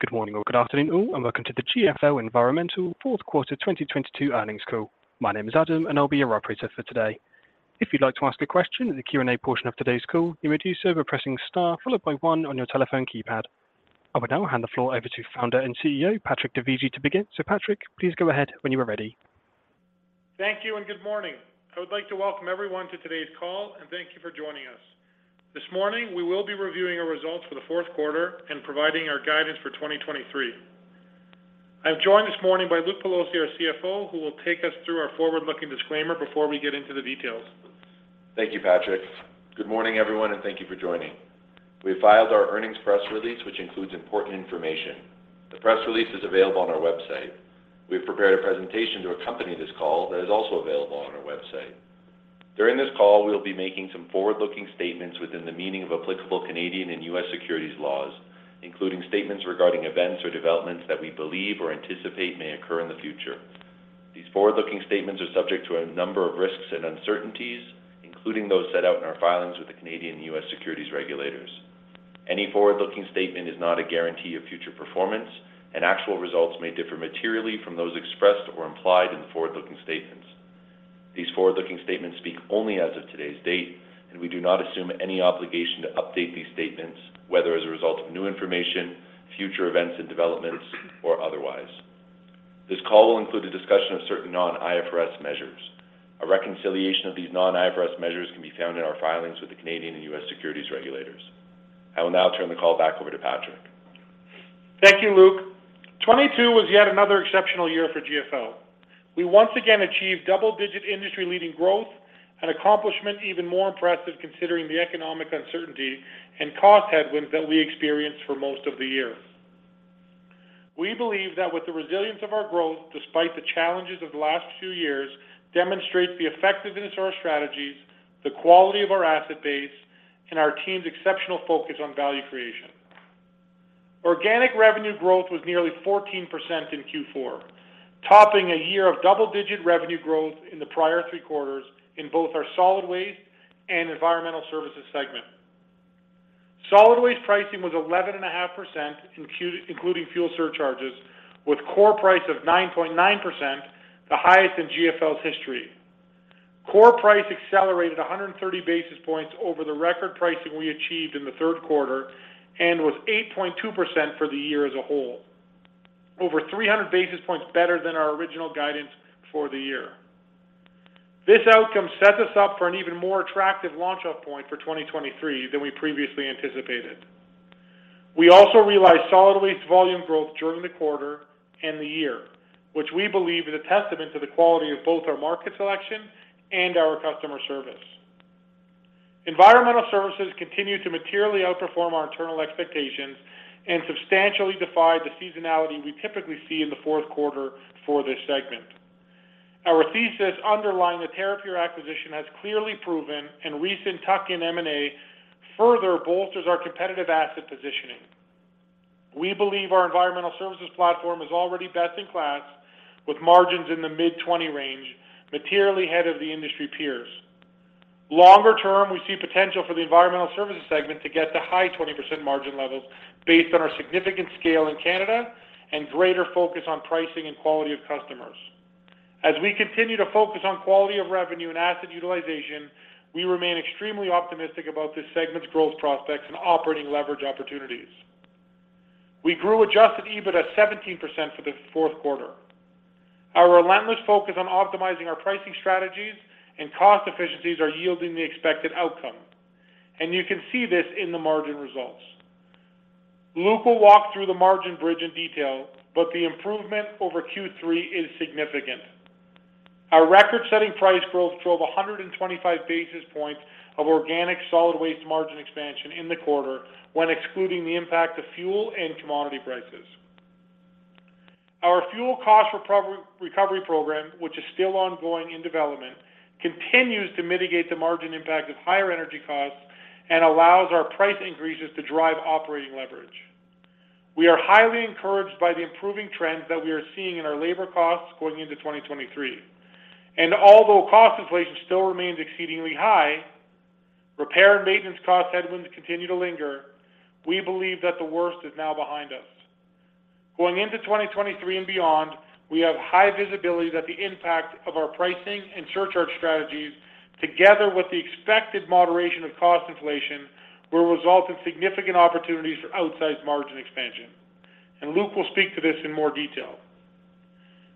Good morning or good afternoon all, welcome to the GFL Environmental fourth quarter 2022 earnings call. My name is Adam, I'll be your operator for today. If you'd like to ask a question in the Q&A portion of today's call, you may do so by pressing star followed by one on your telephone keypad. I will now hand the floor over to Founder and CEO, Patrick Dovigi, to begin. Patrick, please go ahead when you are ready. Thank you. Good morning. I would like to welcome everyone to today's call and thank you for joining us. This morning, we will be reviewing our results for the fourth quarter and providing our guidance for 2023. I'm joined this morning by Luke Pelosi, our CFO, who will take us through our forward-looking disclaimer before we get into the details. Thank you, Patrick. Good morning, everyone, and thank you for joining. We have filed our earnings press release, which includes important information. The press release is available on our website. We have prepared a presentation to accompany this call that is also available on our website. During this call, we will be making some forward-looking statements within the meaning of applicable Canadian and US securities laws, including statements regarding events or developments that we believe or anticipate may occur in the future. These forward-looking statements are subject to a number of risks and uncertainties, including those set out in our filings with the Canadian and US securities regulators. Any forward-looking statement is not a guarantee of future performance, and actual results may differ materially from those expressed or implied in the forward-looking statements. These forward-looking statements speak only as of today's date, and we do not assume any obligation to update these statements, whether as a result of new information, future events and developments, or otherwise. This call will include a discussion of certain non-IFRS measures. A reconciliation of these non-IFRS measures can be found in our filings with the Canadian and U.S. securities regulators. I will now turn the call back over to Patrick. Thank you, Luke. 2022 was yet another exceptional year for GFL. We once again achieved double-digit industry-leading growth, an accomplishment even more impressive considering the economic uncertainty and cost headwinds that we experienced for most of the year. We believe that with the resilience of our growth, despite the challenges of the last few years, demonstrates the effectiveness of our strategies, the quality of our asset base, and our team's exceptional focus on value creation. Organic revenue growth was nearly 14% in Q4, topping a year of double-digit revenue growth in the prior three quarters in both our solid waste and environmental services segment. Solid waste pricing was 11.5%, including fuel surcharges, with core price of 9.9%, the highest in GFL's history. Core price accelerated 130 basis points over the record pricing we achieved in the third quarter and was 8.2% for the year as a whole, over 300 basis points better than our original guidance for the year. This outcome sets us up for an even more attractive launch-off point for 2023 than we previously anticipated. We also realized solid waste volume growth during the quarter and the year, which we believe is a testament to the quality of both our market selection and our customer service. Environmental services continued to materially outperform our internal expectations and substantially defied the seasonality we typically see in the fourth quarter for this segment. Our thesis underlying the Terrapure acquisition has clearly proven, and recent tuck-in M&A further bolsters our competitive asset positioning. We believe our environmental services platform is already best-in-class, with margins in the mid-20 range, materially ahead of the industry peers. Longer term, we see potential for the environmental services segment to get to high 20% margin levels based on our significant scale in Canada and greater focus on pricing and quality of customers. As we continue to focus on quality of revenue and asset utilization, we remain extremely optimistic about this segment's growth prospects and operating leverage opportunities. We grew adjusted EBIT at 17% for the fourth quarter. Our relentless focus on optimizing our pricing strategies and cost efficiencies are yielding the expected outcome, and you can see this in the margin results. Luke will walk through the margin bridge in detail, but the improvement over Q3 is significant. Our record-setting price growth drove 125 basis points of organic solid waste margin expansion in the quarter when excluding the impact of fuel and commodity prices. Our fuel cost recovery program, which is still ongoing in development, continues to mitigate the margin impact of higher energy costs and allows our price increases to drive operating leverage. We are highly encouraged by the improving trends that we are seeing in our labor costs going into 2023. Although cost inflation still remains exceedingly high, repair and maintenance cost headwinds continue to linger, we believe that the worst is now behind us. Going into 2023 and beyond, we have high visibility that the impact of our pricing and surcharge strategies, together with the expected moderation of cost inflation, will result in significant opportunities for outsized margin expansion. Luke will speak to this in more detail.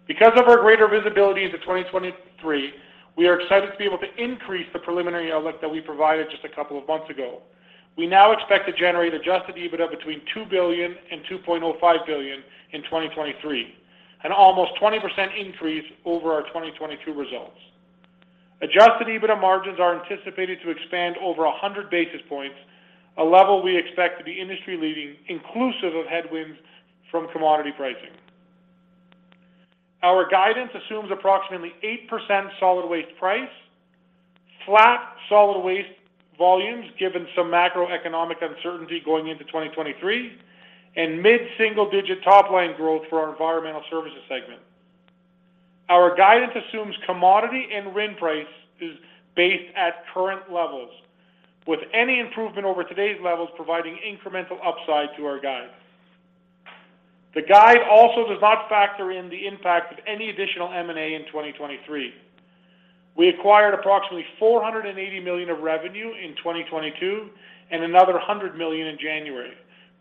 Because of our greater visibility into 2023, we are excited to be able to increase the preliminary outlook that we provided just a couple of months ago. We now expect to generate Adjusted EBITDA between $2 billion and $2.05 billion in 2023, an almost 20% increase over our 2022 results. Adjusted EBITDA margins are anticipated to expand over 100 basis points, a level we expect to be industry-leading, inclusive of headwinds from commodity pricing. Our guidance assumes approximately 8% solid waste price, flat solid waste volumes given some macroeconomic uncertainty going into 2023, and mid-single-digit top-line growth for our environmental services segment. Our guidance assumes commodity and RIN price is based at current levels, with any improvement over today's levels providing incremental upside to our guide. The guide also does not factor in the impact of any additional M&A in 2023. We acquired approximately $480 million of revenue in 2022 and another $100 million in January,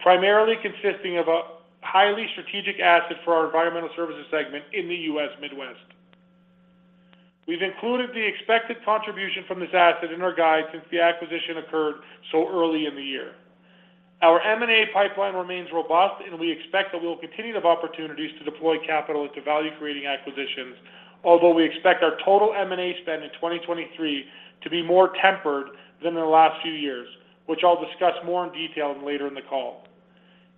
primarily consisting of a highly strategic asset for our environmental services segment in the U.S. Midwest. We've included the expected contribution from this asset in our guide since the acquisition occurred so early in the year. Our M&A pipeline remains robust, and we expect that we will continue to have opportunities to deploy capital into value-creating acquisitions, although we expect our total M&A spend in 2023 to be more tempered than in the last few years, which I'll discuss more in detail later in the call.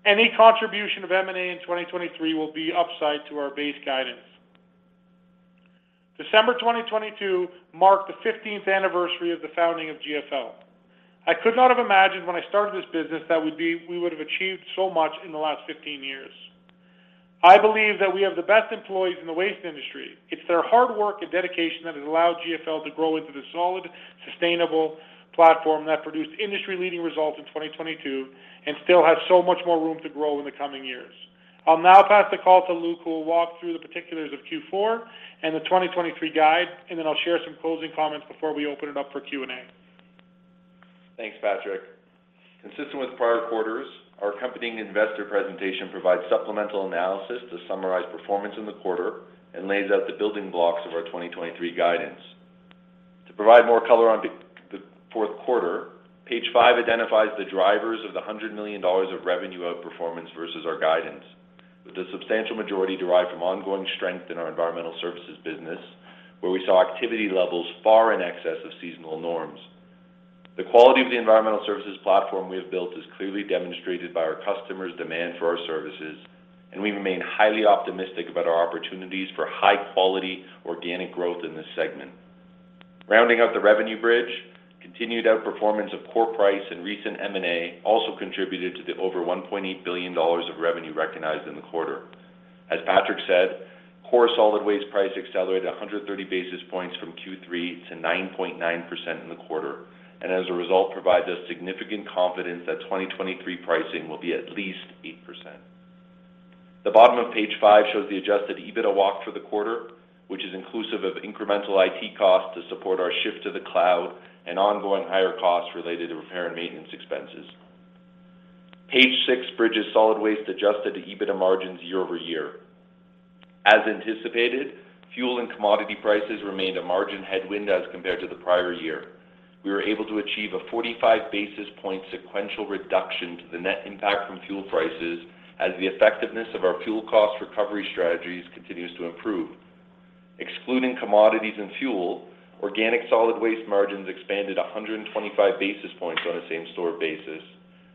Any contribution of M&A in 2023 will be upside to our base guidance. December 2022 marked the 15th anniversary of the founding of GFL. I could not have imagined when I started this business that we would have achieved so much in the last 15 years. I believe that we have the best employees in the waste industry. It's their hard work and dedication that has allowed GFL to grow into the solid, sustainable platform that produced industry-leading results in 2022 and still has so much more room to grow in the coming years. I'll now pass the call to Luke, who will walk through the particulars of Q4 and the 2023 guide, and then I'll share some closing comments before we open it up for Q&A. Thanks, Patrick. Consistent with prior quarters, our accompanying investor presentation provides supplemental analysis to summarize performance in the quarter and lays out the building blocks of our 2023 guidance. To provide more color on the fourth quarter, page five identifies the drivers of the $100 million of revenue outperformance versus our guidance, with the substantial majority derived from ongoing strength in our environmental services business, where we saw activity levels far in excess of seasonal norms. The quality of the environmental services platform we have built is clearly demonstrated by our customers' demand for our services, and we remain highly optimistic about our opportunities for high-quality organic growth in this segment. Rounding out the revenue bridge, continued outperformance of core price and recent M&A also contributed to the over $1.8 billion of revenue recognized in the quarter. As Patrick said, core solid waste price accelerated 130 basis points from Q3 to 9.9% in the quarter, as a result, provides us significant confidence that 2023 pricing will be at least 8%. The bottom of page five shows the adjusted EBITDA walk for the quarter, which is inclusive of incremental IT costs to support our shift to the cloud and ongoing higher costs related to repair and maintenance expenses. Page six bridges solid waste adjusted EBITDA margins year-over-year. As anticipated, fuel and commodity prices remained a margin headwind as compared to the prior year. We were able to achieve a 45 basis point sequential reduction to the net impact from fuel prices as the effectiveness of our fuel cost recovery strategies continues to improve. Excluding commodities and fuel, organic solid waste margins expanded 125 basis points on a same-store basis,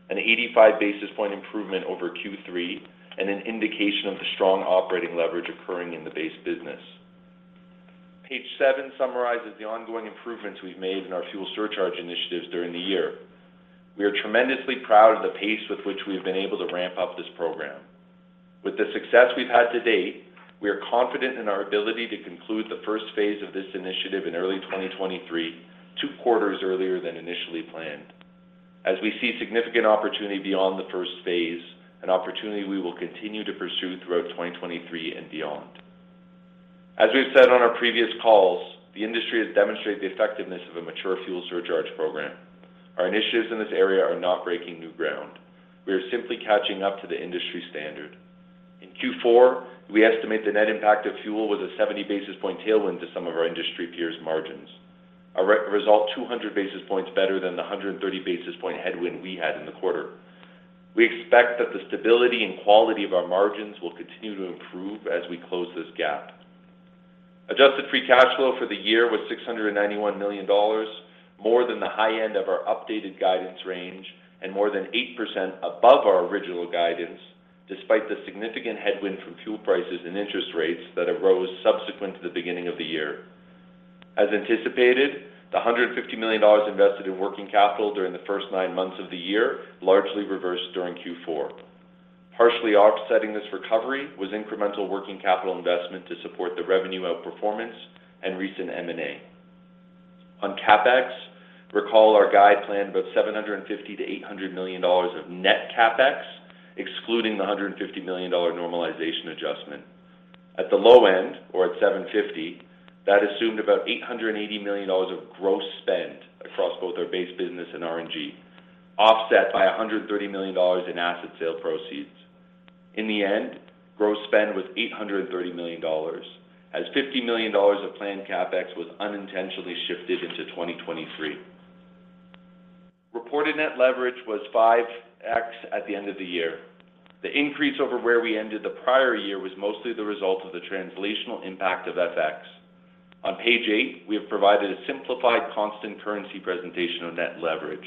an 85 basis point improvement over Q3, and an indication of the strong operating leverage occurring in the base business. Page seven summarizes the ongoing improvements we've made in our fuel surcharge initiatives during the year. We are tremendously proud of the pace with which we have been able to ramp up this program. With the success we've had to date, we are confident in our ability to conclude the first phase of this initiative in early 2023, 2 quarters earlier than initially planned. We see significant opportunity beyond the first phase, an opportunity we will continue to pursue throughout 2023 and beyond. As we've said on our previous calls, the industry has demonstrated the effectiveness of a mature fuel surcharge program. Our initiatives in this area are not breaking new ground. We are simply catching up to the industry standard. In Q4, we estimate the net impact of fuel was a 70 basis point tailwind to some of our industry peers' margins, a result 200 basis points better than the 130 basis point headwind we had in the quarter. We expect that the stability and quality of our margins will continue to improve as we close this gap. Adjusted free cash flow for the year was $691 million, more than the high end of our updated guidance range and more than 8% above our original guidance, despite the significant headwind from fuel prices and interest rates that arose subsequent to the beginning of the year. As anticipated, the $150 million invested in working capital during the first nine months of the year largely reversed during Q4. Partially offsetting this recovery was incremental working capital investment to support the revenue outperformance and recent M&A. On CapEx, recall our guide planned about $750 million-$800 million of net CapEx, excluding the $150 million normalization adjustment. At the low end, or at $750, that assumed about $880 million of gross spend across both our base business and RNG, offset by $130 million in asset sale proceeds. In the end, gross spend was $830 million, as $50 million of planned CapEx was unintentionally shifted into 2023. Reported net leverage was 5x at the end of the year. The increase over where we ended the prior year was mostly the result of the translational impact of FX. On page eight, we have provided a simplified constant currency presentation of net leverage.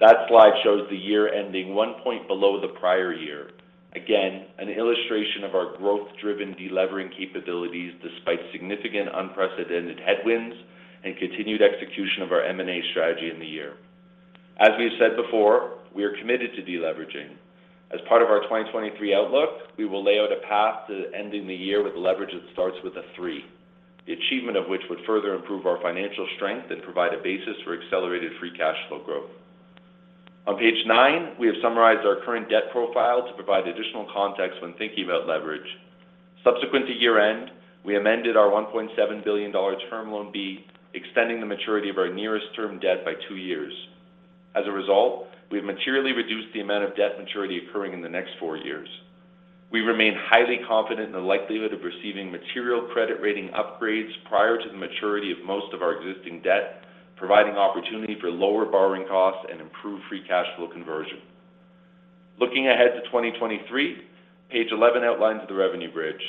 That slide shows the year ending one point below the prior year. Again, an illustration of our growth-driven delevering capabilities despite significant unprecedented headwinds and continued execution of our M&A strategy in the year. As we've said before, we are committed to deleveraging. As part of our 2023 outlook, we will lay out a path to ending the year with leverage that starts with a three. The achievement of which would further improve our financial strength and provide a basis for accelerated free cash flow growth. On page nine, we have summarized our current debt profile to provide additional context when thinking about leverage. Subsequent to year-end, we amended our $1.7 billion Term Loan B, extending the maturity of our nearest term debt by two years. As a result, we've materially reduced the amount of debt maturity occurring in the next four years. We remain highly confident in the likelihood of receiving material credit rating upgrades prior to the maturity of most of our existing debt, providing opportunity for lower borrowing costs and improved free cash flow conversion. Looking ahead to 2023, page 11 outlines the revenue bridge.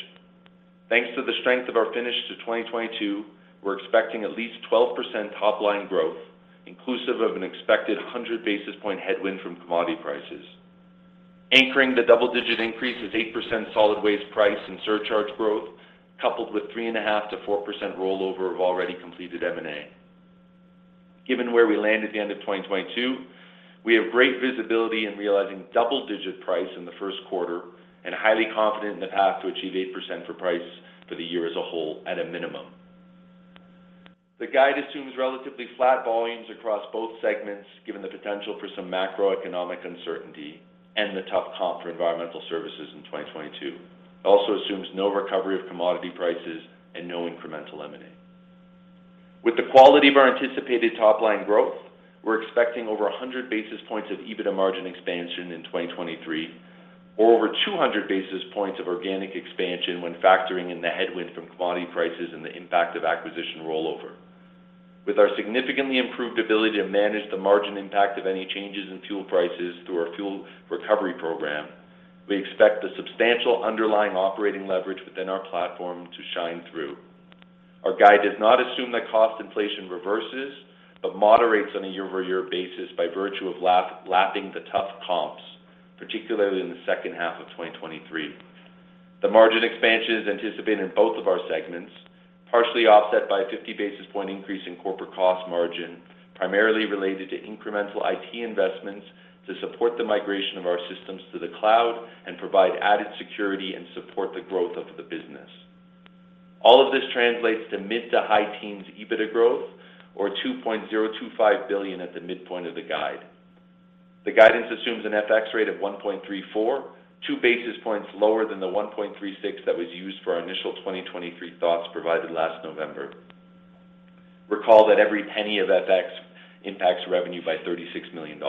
Thanks to the strength of our finish to 2022, we're expecting at least 12% top line growth, inclusive of an expected 100 basis point headwind from commodity prices. Anchoring the double-digit increase is 8% solid waste price and surcharge growth, coupled with 3.5%-4% rollover of already completed M&A. Given where we land at the end of 2022, we have great visibility in realizing double-digit price in the first quarter. Highly confident in the path to achieve 8% for price for the year as a whole at a minimum. The guide assumes relatively flat volumes across both segments, given the potential for some macroeconomic uncertainty and the tough comp for environmental services in 2022. It also assumes no recovery of commodity prices and no incremental M&A. With the quality of our anticipated top-line growth, we're expecting over 100 basis points of EBITDA margin expansion in 2023, or over 200 basis points of organic expansion when factoring in the headwind from commodity prices and the impact of acquisition rollover. With our significantly improved ability to manage the margin impact of any changes in fuel prices through our fuel recovery program, we expect the substantial underlying operating leverage within our platform to shine through. Our guide does not assume that cost inflation reverses, but moderates on a year-over-year basis by virtue of lap-lapping the tough comps, particularly in the second half of 2023. The margin expansion is anticipated in both of our segments, partially offset by a 50 basis point increase in corporate cost margin, primarily related to incremental IT investments to support the migration of our systems to the cloud and provide added security and support the growth of the business. All of this translates to mid to high teens EBITDA growth or $2.025 billion at the midpoint of the guide. The guidance assumes an FX rate of 1.34, 2 basis points lower than the 1.36 that was used for our initial 2023 thoughts provided last November. Recall that every penny of FX impacts revenue by $36 million.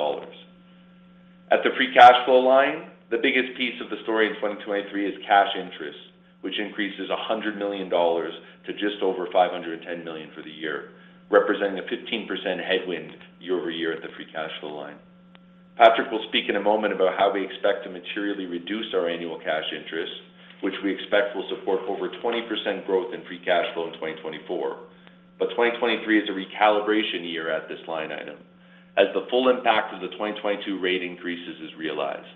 At the free cash flow line, the biggest piece of the story in 2023 is cash interest, which increases $100 million to just over $510 million for the year, representing a 15% headwind year-over-year at the free cash flow line. Patrick will speak in a moment about how we expect to materially reduce our annual cash interest, which we expect will support over 20% growth in free cash flow in 2024. 2023 is a recalibration year at this line item, as the full impact of the 2022 rate increases is realized.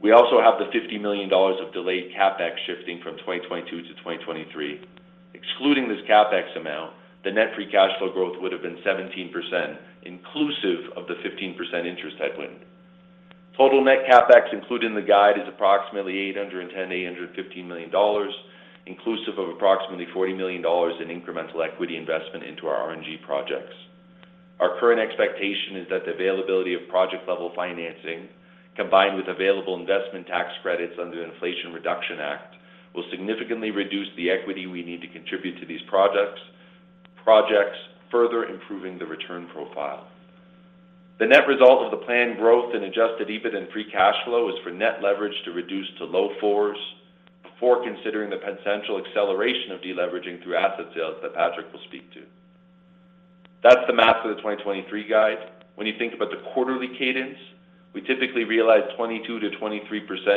We also have the $50 million of delayed CapEx shifting from 2022 to 2023. Excluding this CapEx amount, the net free cash flow growth would have been 17%, inclusive of the 15% interest headwind. Total net CapEx included in the guide is approximately $810 million-$815 million, inclusive of approximately $40 million in incremental equity investment into our RNG projects. Our current expectation is that the availability of project-level financing, combined with available investment tax credits under the Inflation Reduction Act, will significantly reduce the equity we need to contribute to these projects further improving the return profile. The net result of the planned growth in adjusted EBITDA and free cash flow is for net leverage to reduce to low 4s before considering the potential acceleration of deleveraging through asset sales that Patrick will speak to. That's the math of the 2023 guide. When you think about the quarterly cadence, we typically realize 22%-23%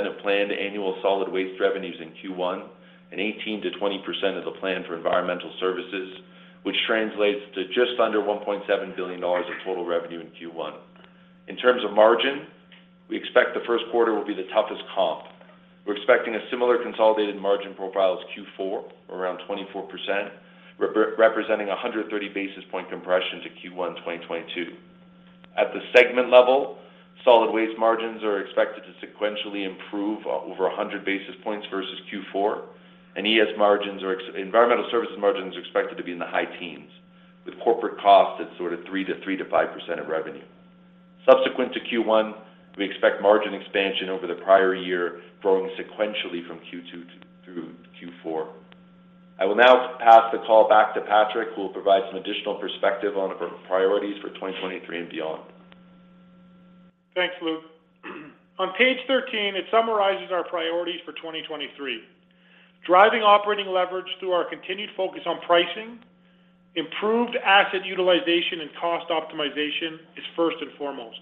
of planned annual solid waste revenues in Q1 and 18%-20% of the plan for environmental services, which translates to just under $1.7 billion of total revenue in Q1. In terms of margin, we expect the first quarter will be the toughest comp. We're expecting a similar consolidated margin profile as Q4, around 24%, representing 130 basis point compression to Q1 2022. At the segment level, solid waste margins are expected to sequentially improve over 100 basis points versus Q4, environmental services margin is expected to be in the high teens, with corporate cost at sort of 3%-5% of revenue. Subsequent to Q1, we expect margin expansion over the prior year, growing sequentially from Q2 to, through Q4. I will now pass the call back to Patrick, who will provide some additional perspective on our priorities for 2023 and beyond. Thanks, Luke. On page 13, it summarizes our priorities for 2023. Driving operating leverage through our continued focus on pricing, improved asset utilization, and cost optimization is first and foremost.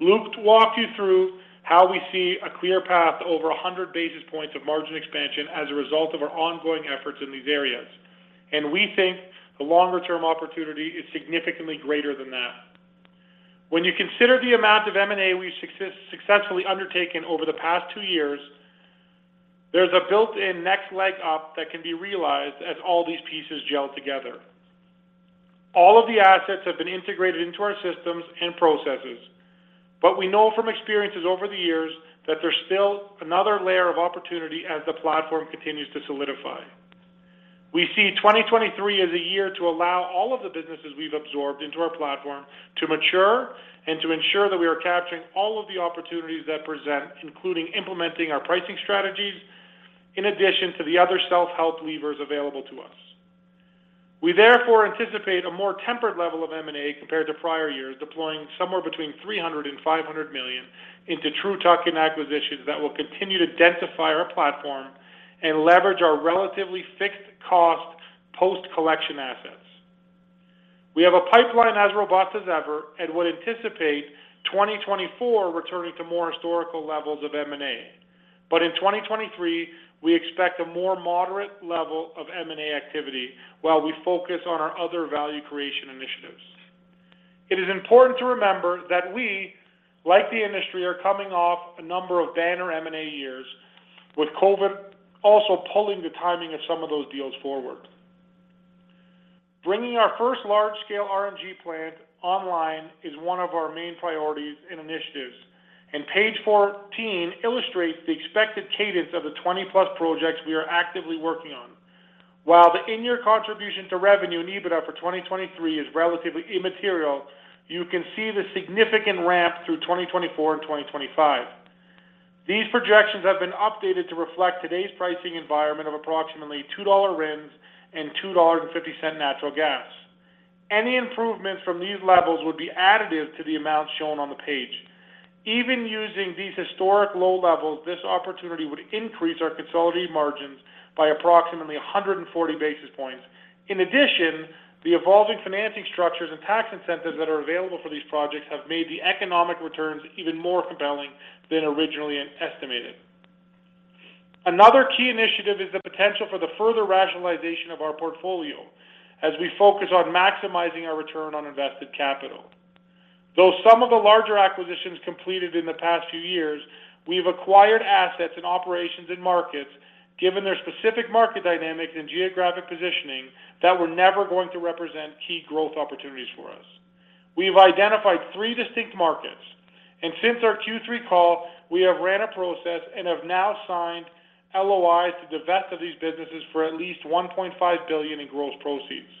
Luke walked you through how we see a clear path to over 100 basis points of margin expansion as a result of our ongoing efforts in these areas. We think the longer-term opportunity is significantly greater than that. When you consider the amount of M&A we've successfully undertaken over the past two years. There's a built-in next leg up that can be realized as all these pieces gel together. All of the assets have been integrated into our systems and processes, but we know from experiences over the years that there's still another layer of opportunity as the platform continues to solidify. We see 2023 as a year to allow all of the businesses we've absorbed into our platform to mature and to ensure that we are capturing all of the opportunities that present, including implementing our pricing strategies in addition to the other self-help levers available to us. We therefore anticipate a more tempered level of M&A compared to prior years, deploying somewhere between $300 million-$500 million into true tuck-in acquisitions that will continue to densify our platform and leverage our relatively fixed cost post-collection assets. We have a pipeline as robust as ever, would anticipate 2024 returning to more historical levels of M&A. In 2023, we expect a more moderate level of M&A activity while we focus on our other value creation initiatives. It is important to remember that we, like the industry, are coming off a number of banner M&A years, with COVID also pulling the timing of some of those deals forward. Bringing our first large-scale RNG plant online is one of our main priorities and initiatives. Page 14 illustrates the expected cadence of the 20+ projects we are actively working on. While the in-year contribution to revenue and EBITDA for 2023 is relatively immaterial, you can see the significant ramp through 2024 and 2025. These projections have been updated to reflect today's pricing environment of approximately $2 RINs and $2.50 natural gas. Any improvements from these levels would be additive to the amount shown on the page. Even using these historic low levels, this opportunity would increase our consolidated margins by approximately 140 basis points. In addition, the evolving financing structures and tax incentives that are available for these projects have made the economic returns even more compelling than originally estimated. Another key initiative is the potential for the further rationalization of our portfolio as we focus on maximizing our return on invested capital. Though some of the larger acquisitions completed in the past few years, we've acquired assets and operations in markets, given their specific market dynamics and geographic positioning, that were never going to represent key growth opportunities for us. We've identified three distinct markets, and since our Q3 call, we have ran a process and have now signed LOIs to divest of these businesses for at least $1.5 billion in gross proceeds.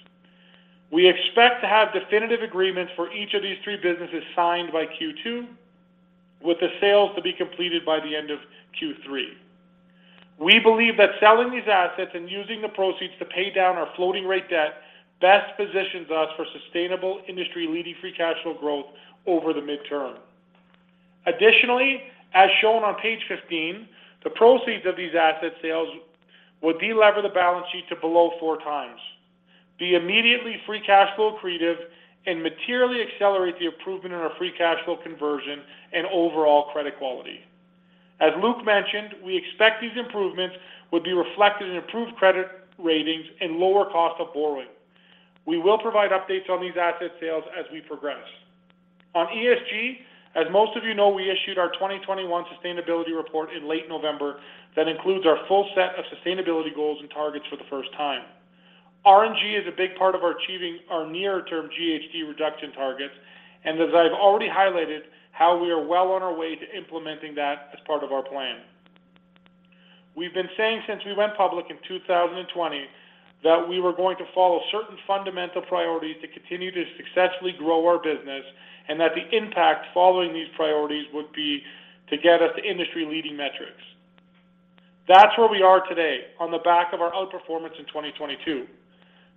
We expect to have definitive agreements for each of these three businesses signed by Q2, with the sales to be completed by the end of Q3. We believe that selling these assets and using the proceeds to pay down our floating rate debt best positions us for sustainable industry-leading free cash flow growth over the midterm. Additionally, as shown on page 15, the proceeds of these asset sales would delever the balance sheet to below 4x, be immediately free cash flow accretive, and materially accelerate the improvement in our free cash flow conversion and overall credit quality. As Luke mentioned, we expect these improvements would be reflected in improved credit ratings and lower cost of borrowing. We will provide updates on these asset sales as we progress. On ESG, as most of you know, we issued our 2021 sustainability report in late November that includes our full set of sustainability goals and targets for the first time. RNG is a big part of our achieving our near-term GHG reduction targets, and as I've already highlighted how we are well on our way to implementing that as part of our plan. We've been saying since we went public in 2020 that we were going to follow certain fundamental priorities to continue to successfully grow our business and that the impact following these priorities would be to get us to industry-leading metrics. That's where we are today on the back of our outperformance in 2022.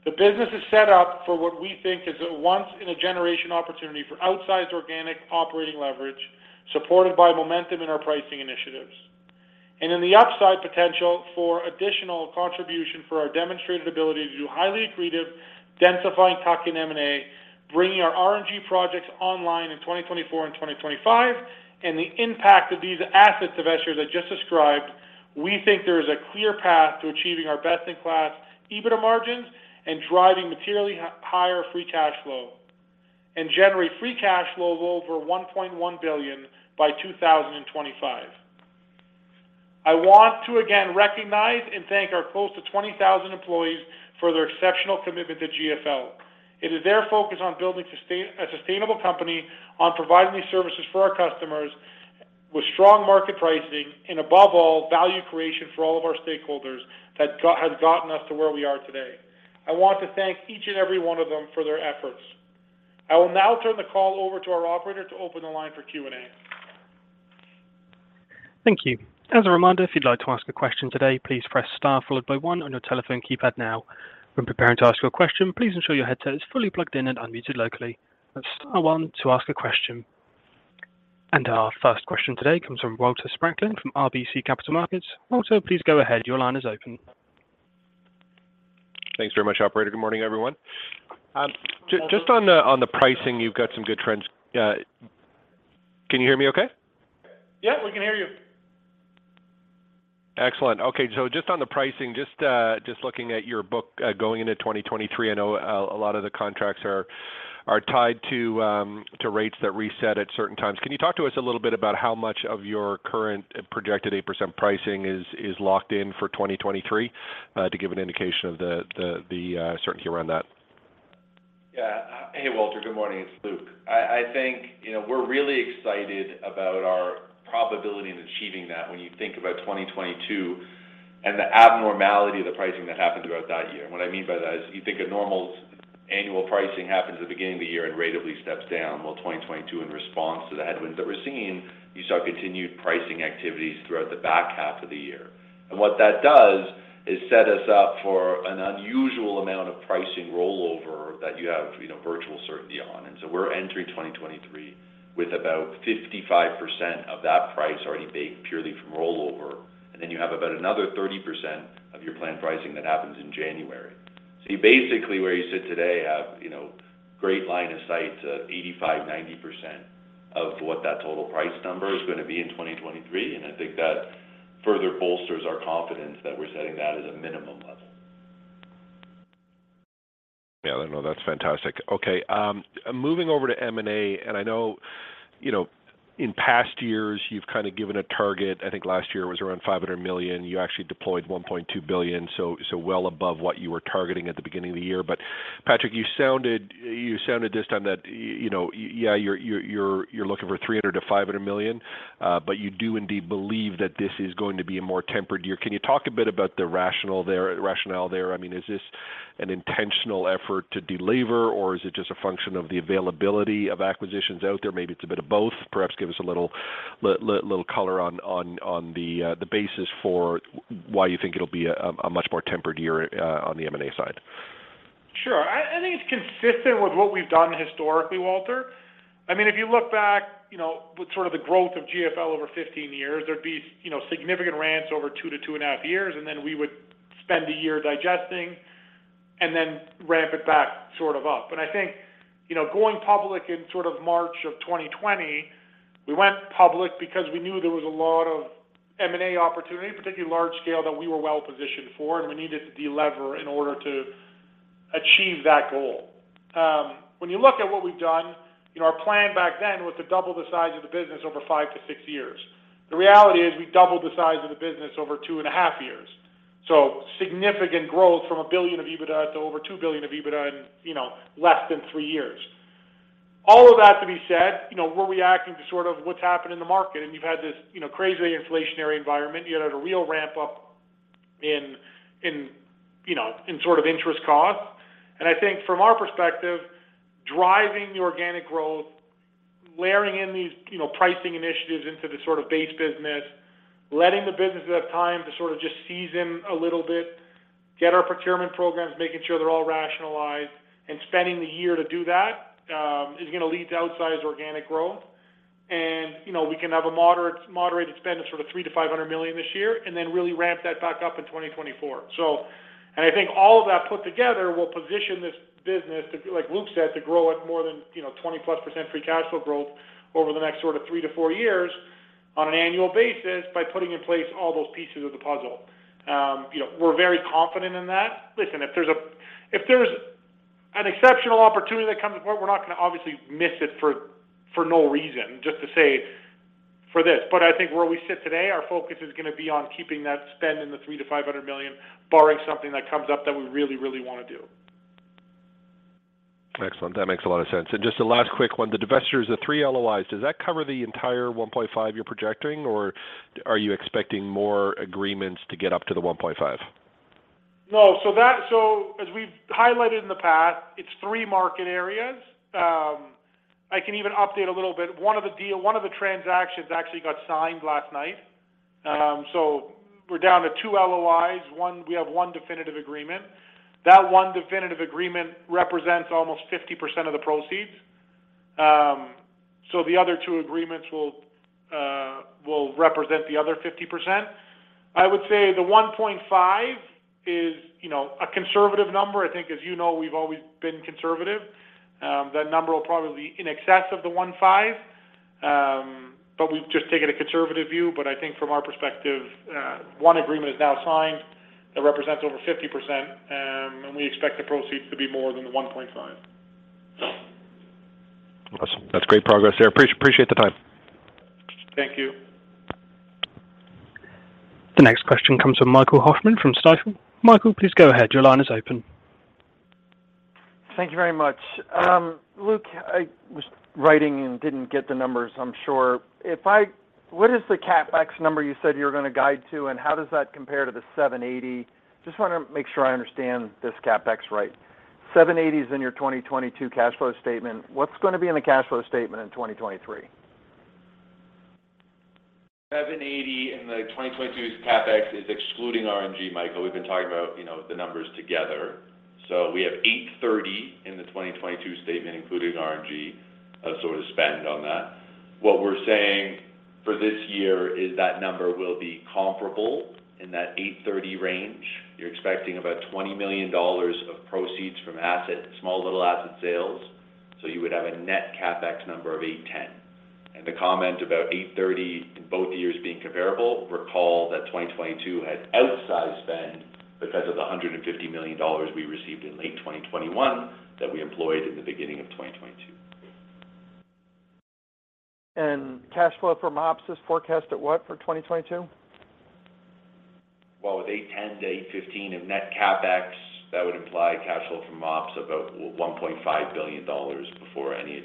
The business is set up for what we think is a once in a generation opportunity for outsized organic operating leverage, supported by momentum in our pricing initiatives. In the upside potential for additional contribution for our demonstrated ability to do highly accretive, densifying tuck-in M&A, bringing our RNG projects online in 2024 and 2025, and the impact of these assets divestitures I just described, we think there is a clear path to achieving our best-in-class EBITDA margins and driving materially higher free cash flow and generate free cash flow of over $1.1 billion by 2025. I want to again recognize and thank our close to 20,000 employees for their exceptional commitment to GFL. It is their focus on building a sustainable company, on providing these services for our customers with strong market pricing, and above all, value creation for all of our stakeholders that has gotten us to where we are today. I want to thank each and every one of them for their efforts. I will now turn the call over to our operator to open the line for Q&A. Thank you. As a reminder, if you'd like to ask a question today, please press star followed by one on your telephone keypad now. When preparing to ask your question, please ensure your headset is fully plugged in and unmuted locally. Press star one to ask a question. Our first question today comes from Walter Spracklin from RBC Capital Markets. Walter, please go ahead. Your line is open. Thanks very much, operator. Good morning, everyone. just on the pricing, you've got some good trends. Can you hear me okay? Yeah, we can hear you. Excellent. Okay, just on the pricing, just looking at your book, going into 2023, I know a lot of the contracts are Are tied to rates that reset at certain times. Can you talk to us a little bit about how much of your current projected 8% pricing is locked in for 2023 to give an indication of the certainty around that? Yeah. Hey, Walter. Good morning. It's Luke. I think, you know, we're really excited about our probability in achieving that when you think about 2022 and the abnormality of the pricing that happened throughout that year. What I mean by that is you think a normal annual pricing happens at the beginning of the year and ratably steps down. Well, 2022, in response to the headwinds that we're seeing, you saw continued pricing activities throughout the back half of the year. What that does is set us up for an unusual amount of pricing rollover that you have, you know, virtual certainty on. We're entering 2023 with about 55% of that price already baked purely from rollover. You have about another 30% of your planned pricing that happens in January. You basically, where you sit today, have, you know, great line of sight to 85%-90% of what that total price number is gonna be in 2023. I think that further bolsters our confidence that we're setting that as a minimum level. Yeah, no, that's fantastic. Okay, moving over to M&A, I know, you know, in past years you've kind of given a target. I think last year was around $500 million. You actually deployed $1.2 billion, so well above what you were targeting at the beginning of the year. Patrick, you sounded this time that, you know, yeah, you're looking for $300 million-$500 million, but you do indeed believe that this is going to be a more tempered year. Can you talk a bit about the rationale there? I mean, is this an intentional effort to delever, or is it just a function of the availability of acquisitions out there? Maybe it's a bit of both. Perhaps give us a little little color on the basis for why you think it'll be a much more tempered year on the M&A side. Sure. I think it's consistent with what we've done historically, Walter. I mean, if you look back, you know, with sort of the growth of GFL over 15 years, there'd be, you know, significant ramps over 2-2.5 years, and then we would spend a year digesting and then ramp it back sort of up. I think, you know, going public in sort of March of 2020, we went public because we knew there was a lot of M&A opportunity, particularly large scale, that we were well positioned for, and we needed to delever in order to achieve that goal. When you look at what we've done, you know, our plan back then was to double the size of the business over 5-6 years. The reality is we doubled the size of the business over 2.5 years. Significant growth from $1 billion of EBITDA to over $2 billion of EBITDA in, you know, less than three years. All of that to be said, you know, we're reacting to sort of what's happened in the market, and you've had this, you know, crazy inflationary environment. You had a real ramp up in, you know, in sort of interest costs. I think from our perspective, driving the organic growth, layering in these, you know, pricing initiatives into the sort of base business, letting the businesses have time to sort of just season a little bit, get our procurement programs, making sure they're all rationalized, and spending the year to do that, is gonna lead to outsized organic growth. You know, we can have a moderate spend of sort of $300 million-$500 million this year and then really ramp that back up in 2024. I think all of that put together will position this business to, like Luke said, to grow at more than, you know, 20%+ free cash flow growth over the next sort of 3-4 years on an annual basis by putting in place all those pieces of the puzzle. You know, we're very confident in that. Listen, if there's an exceptional opportunity that comes along, we're not gonna obviously miss it for no reason just to say for this. I think where we sit today, our focus is gonna be on keeping that spend in the $300 million-$500 million, barring something that comes up that we really wanna do. Excellent. That makes a lot of sense. Just a last quick one. The divestitures, the three LOIs, does that cover the entire $1.5 you're projecting, or are you expecting more agreements to get up to the $1.5? No. As we've highlighted in the past, it's three market areas. I can even update a little bit. One of the transactions actually got signed last night. We're down to two LOIs. We have one definitive agreement. That one definitive agreement represents almost 50% of the proceeds. The other two agreements will represent the other 50%. I would say the 1.5 is, you know, a conservative number. I think, as you know, we've always been conservative. That number will probably be in excess of the 1.5. We've just taken a conservative view. I think from our perspective, one agreement is now signed. That represents over 50%. We expect the proceeds to be more than the 1.5. Awesome. That's great progress there. Appreciate the time. Thank you. The next question comes from Michael Hoffman from Stifel. Michael, please go ahead. Your line is open. Thank you very much. Luke, I was writing and didn't get the numbers, I'm sure. What is the CapEx number you said you were gonna guide to, and how does that compare to the $780? Just wanna make sure I understand this CapEx right. $780 is in your 2022 cash flow statement. What's gonna be in the cash flow statement in 2023? 780 in the 2022's CapEx is excluding RNG, Michael. We've been talking about, you know, the numbers together. We have 830 in the 2022 statement, including RNG, as sort of spend on that. What we're saying for this year is that number will be comparable in that 830 range. You're expecting about $20 million of proceeds from asset, small little asset sales. You would have a net CapEx number of 810. The comment about 830 in both years being comparable, recall that 2022 had outsized spend because of the $150 million we received in late 2021 that we employed in the beginning of 2022. Cash flow from ops is forecast at what for 2022? Well, with $810 million-$815 million of net CapEx, that would imply cash flow from ops about $1.5 billion before any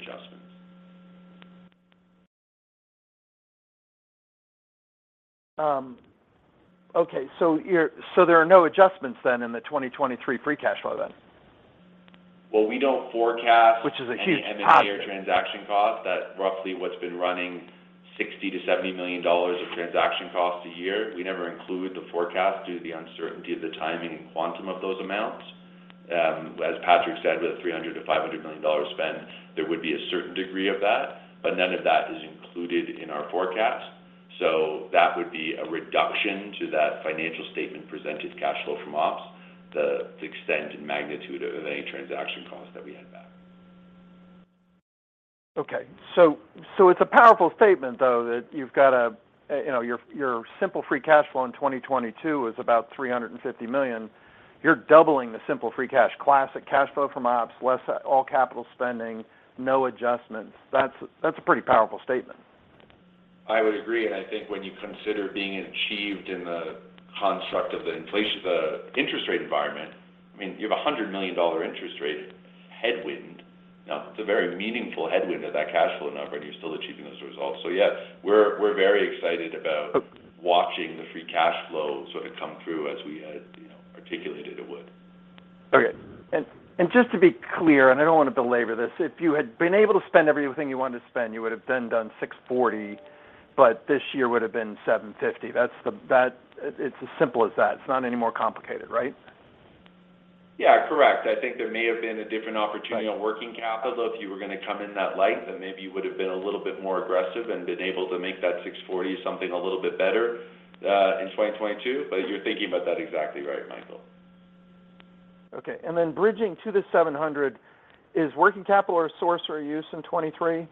adjustments. Okay. There are no adjustments then in the 2023 free cash flow then? Well, we don't forecast- Which is a huge positive. any M&A or transaction costs. That's roughly what's been running $60 million-$70 million of transaction costs a year. We never include the forecast due to the uncertainty of the timing and quantum of those amounts. as Patrick said, with a $300 million-$500 million spend, there would be a certain degree of that, but none of that is included in our forecast. That would be a reduction to that financial statement presented cash flow from ops, the extent and magnitude of any transaction costs that we had back. Okay. It's a powerful statement though that you've got a, you know, your simple free cash flow in 2022 is about $350 million. You're doubling the simple free cash, classic cash flow from ops, less all capital spending, no adjustments. That's a pretty powerful statement. I would agree, and I think when you consider being achieved in the construct of the inflation, the interest rate environment, I mean, you have a $100 million interest rate headwind. Now, it's a very meaningful headwind at that cash flow number, and you're still achieving those results. Yes, we're very excited about watching the free cash flow sort of come through as we had, you know, articulated it would. Okay. Just to be clear, I don't want to belabor this, if you had been able to spend everything you wanted to spend, you would have been done $640, but this year would have been $750. That's that. It's as simple as that. It's not any more complicated, right? Yeah, correct. I think there may have been a different opportunity on working capital, if you were gonna come in that light, then maybe you would have been a little bit more aggressive and been able to make that six forty something a little bit better, in 2022. You're thinking about that exactly right, Michael. Okay. bridging to the $700, is working capital a source or a use in 2023? A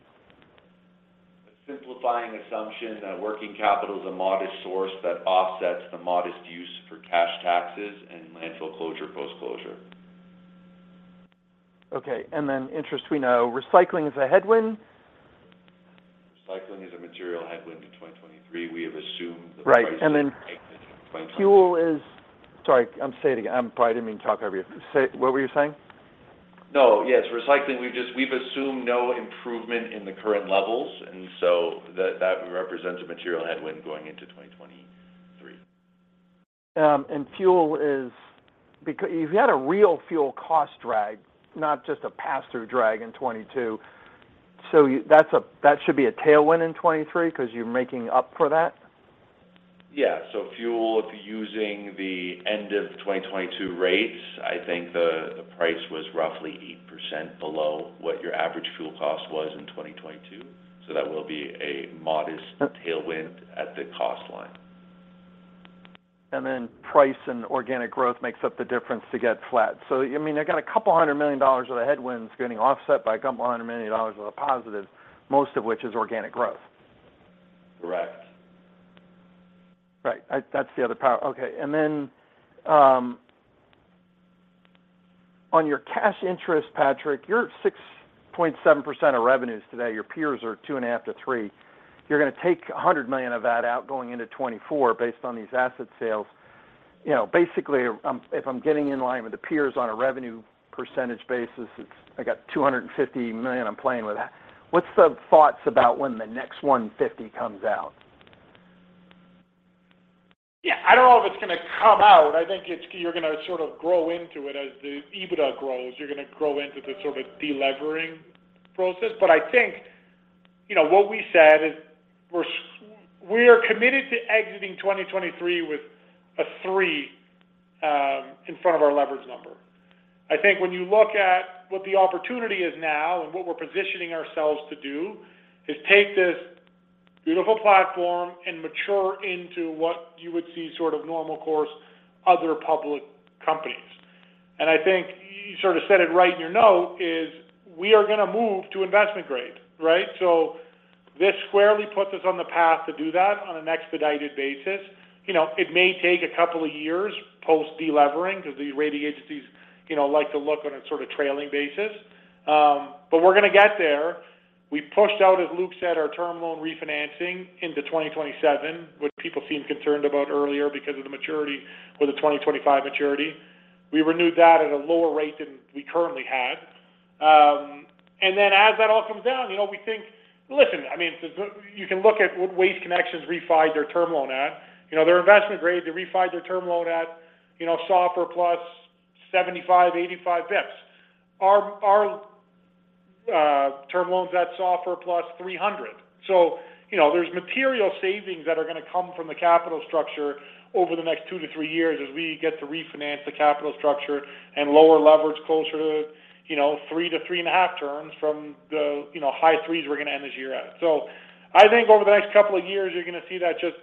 simplifying assumption, working capital is a modest source that offsets the modest use for cash taxes and landfill closure, post-closure. Okay. Interest we know. Recycling is a headwind. Recycling is a material headwind in 2023. We have assumed that the prices- Right.... might be 2022 Sorry, I'm saying it again. I probably didn't mean to talk over you. Say, what were you saying? No. Yes, recycling, we've assumed no improvement in the current levels, that represents a material headwind going into 2023. You've had a real fuel cost drag, not just a pass-through drag in 2022. That should be a tailwind in 2023 'cause you're making up for that. Yeah. Fuel, if you're using the end of 2022 rates, I think the price was roughly 8% below what your average fuel cost was in 2022. That will be a modest tailwind at the cost line. Price and organic growth makes up the difference to get flat. I mean, they got a couple hundred million dollars of the headwinds getting offset by a couple hundred million dollars of the positives, most of which is organic growth. Correct. Right. That's the other power. Okay. Then, on your cash interest, Patrick, you're at 6.7% of revenues today. Your peers are 2.5-3. You're gonna take $100 million of that out going into 2024 based on these asset sales. You know, basically, if I'm getting in line with the peers on a revenue percentage basis, I got $250 million I'm playing with. What's the thoughts about when the next $150 comes out? Yeah. I don't know if it's gonna come out. I think it's, you're gonna sort of grow into it as the EBITDA grows. You're gonna grow into the sort of de-levering process. I think, you know, what we said is we are committed to exiting 2023 with a three in front of our leverage number. I think when you look at what the opportunity is now and what we're positioning ourselves to do is take this beautiful platform and mature into what you would see sort of normal course other public companies. I think you sort of said it right in your note is, we are gonna move to investment grade, right? This squarely puts us on the path to do that on an expedited basis. You know, it may take a couple of years post de-levering because the rating agencies, you know, like to look on a sort of trailing basis. We're gonna get there. We pushed out, as Luke said, our term loan refinancing into 2027, which people seemed concerned about earlier because of the maturity with the 2025 maturity. We renewed that at a lower rate than we currently had. As that all comes down, you know, we think. Listen, I mean, you can look at what Waste Connections refied their term loan at. You know, they're investment grade. They refied their term loan at, you know, SOFR plus 75, 85 basis points. Our term loan's at SOFR plus 300. You know, there's material savings that are gonna come from the capital structure over the next 2-3 years as we get to refinance the capital structure and lower leverage closer to, you know, 3-3.5 turns from the, you know, high threes we're gonna end this year at. I think over the next couple of years, you're gonna see that just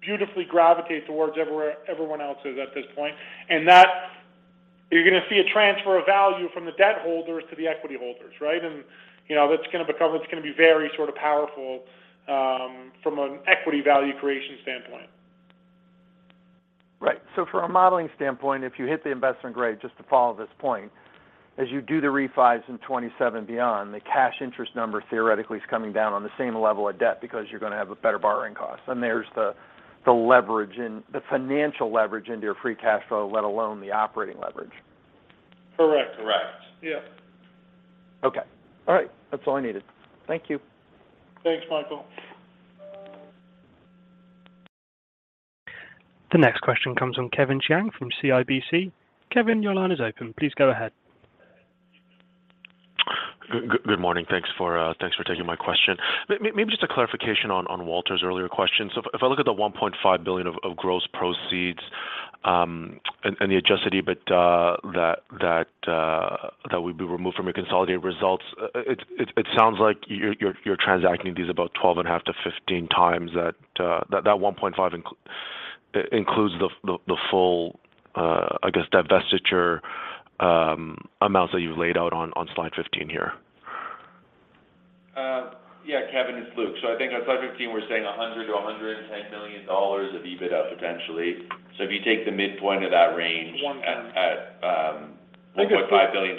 beautifully gravitate towards everywhere everyone else is at this point, and that you're gonna see a transfer of value from the debt holders to the equity holders, right? You know, that's gonna be very sort of powerful from an equity value creation standpoint. Right. From a modeling standpoint, if you hit the investment grade, just to follow this point, as you do the refis in 27 beyond, the cash interest number theoretically is coming down on the same level of debt because you're gonna have a better borrowing cost. There's the leverage and the financial leverage into your free cash flow, let alone the operating leverage. Correct. Correct. Yeah. Okay. All right. That's all I needed. Thank you. Thanks, Michael. The next question comes from Kevin Chiang from CIBC. Kevin, your line is open. Please go ahead. Good morning. Thanks for thanks for taking my question. Maybe just a clarification on Walter's earlier question. If I look at the $1.5 billion of gross proceeds, and the adjusted EBITDA but that that that will be removed from your consolidated results, it sounds like you're transacting these about 12.5-15x that that $1.5 includes the full I guess, divestiture amounts that you've laid out on slide 15 here. Yeah, Kevin, it's Luke. I think on slide 15, we're saying $100 million-$110 million of EBITDA potentially. If you take the midpoint of that range- It's 110. At $1.5 billion,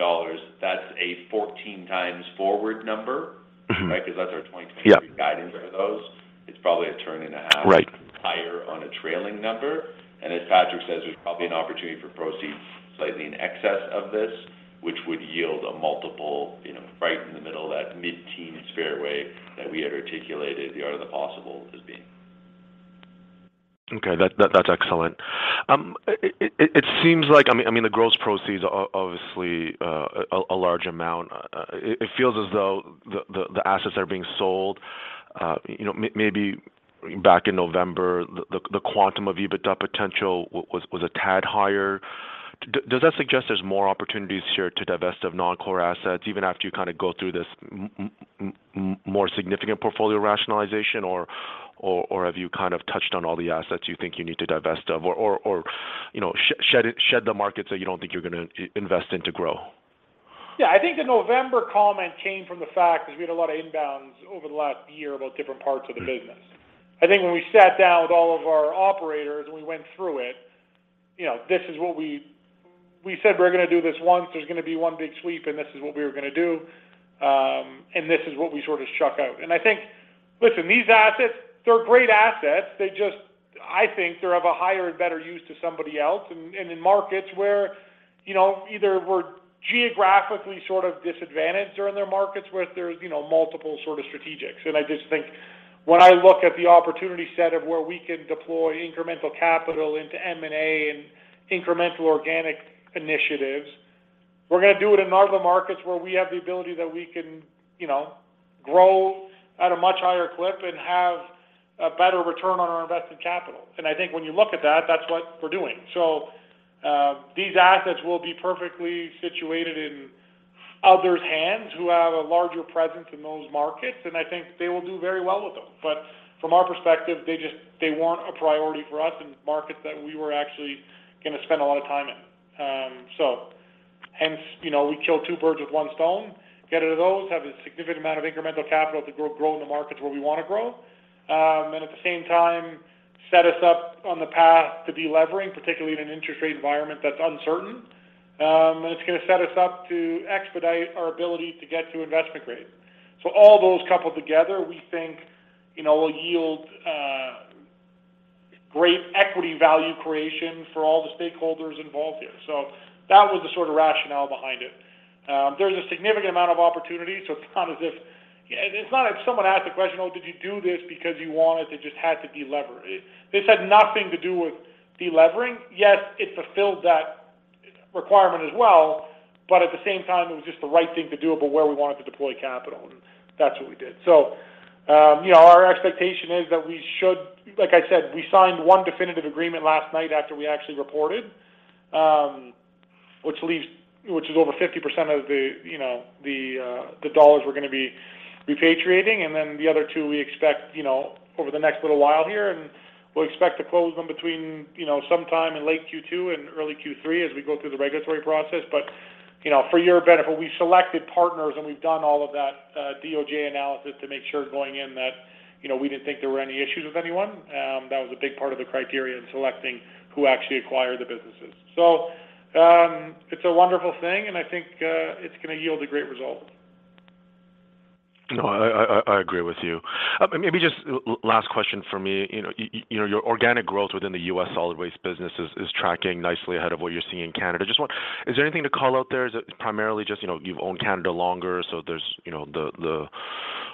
that's a 14x forward number. Mm-hmm. Right? Because that's our 2023- Yeah. Guidance for those. It's probably a turn and a half. Right. Higher on a trailing number. As Patrick says, there's probably an opportunity for proceeds slightly in excess of this, which would yield a multiple, you know, right in the middle of that mid-teen fairway that we had articulated the art of the possible as being. Okay. That's excellent. It seems like I mean, the gross proceeds are obviously a large amount. It feels as though the assets that are being sold, you know, maybe back in November, the quantum of EBITDA potential was a tad higher. Does that suggest there's more opportunities here to divest of non-core assets even after you kind of go through this more significant portfolio rationalization, or have you kind of touched on all the assets you think you need to divest of or, you know, shed the markets that you don't think you're gonna invest in to grow? I think the November comment came from the fact because we had a lot of inbounds over the last year about different parts of the business. I think when we sat down with all of our operators and we went through it, you know, this is what we said we're gonna do this once. There's gonna be one big sweep, and this is what we were gonna do, and this is what we sort of chuck out. Listen, these assets, they're great assets. I think they have a higher and better use to somebody else and in markets where, you know, either we're geographically sort of disadvantaged or in their markets where there's, you know, multiple sort of strategics. I just think when I look at the opportunity set of where we can deploy incremental capital into M&A and incremental organic initiatives, we're gonna do it in all the markets where we have the ability that we can, you know, grow at a much higher clip and have a better return on our invested capital. I think when you look at that's what we're doing. These assets will be perfectly situated in others' hands who have a larger presence in those markets, and I think they will do very well with them. From our perspective, they weren't a priority for us in markets that we were actually gonna spend a lot of time in. Hence, you know, we kill two birds with one stone. Get rid of those, have a significant amount of incremental capital to grow in the markets where we wanna grow. At the same time, set us up on the path to delevering, particularly in an interest rate environment that's uncertain. It's gonna set us up to expedite our ability to get to investment grade. All those coupled together, we think, you know, will yield great equity value creation for all the stakeholders involved here. That was the sort of rationale behind it. There's a significant amount of opportunity, so it's not as if... It's not like someone asked the question, "Well, did you do this because you wanted to just had to delever?" This had nothing to do with delevering. Yes, it fulfilled that requirement as well, but at the same time, it was just the right thing to do about where we wanted to deploy capital, and that's what we did. Our expectation is that we should Like I said, we signed one definitive agreement last night after we actually reported, which is over 50% of the, you know, the dollars we're gonna be repatriating. The other two we expect, you know, over the next little while here, and we'll expect to close them between, you know, sometime in late Q2 and early Q3 as we go through the regulatory process. For your benefit, we selected partners, and we've done all of that DOJ analysis to make sure going in that, you know, we didn't think there were any issues with anyone. That was a big part of the criteria in selecting who actually acquired the businesses. It's a wonderful thing, and I think, it's gonna yield a great result. I agree with you. Maybe just last question from me. You know, you know, your organic growth within the US solid waste business is tracking nicely ahead of what you're seeing in Canada. Is there anything to call out there? Is it primarily just, you know, you've owned Canada longer, so there's, you know, the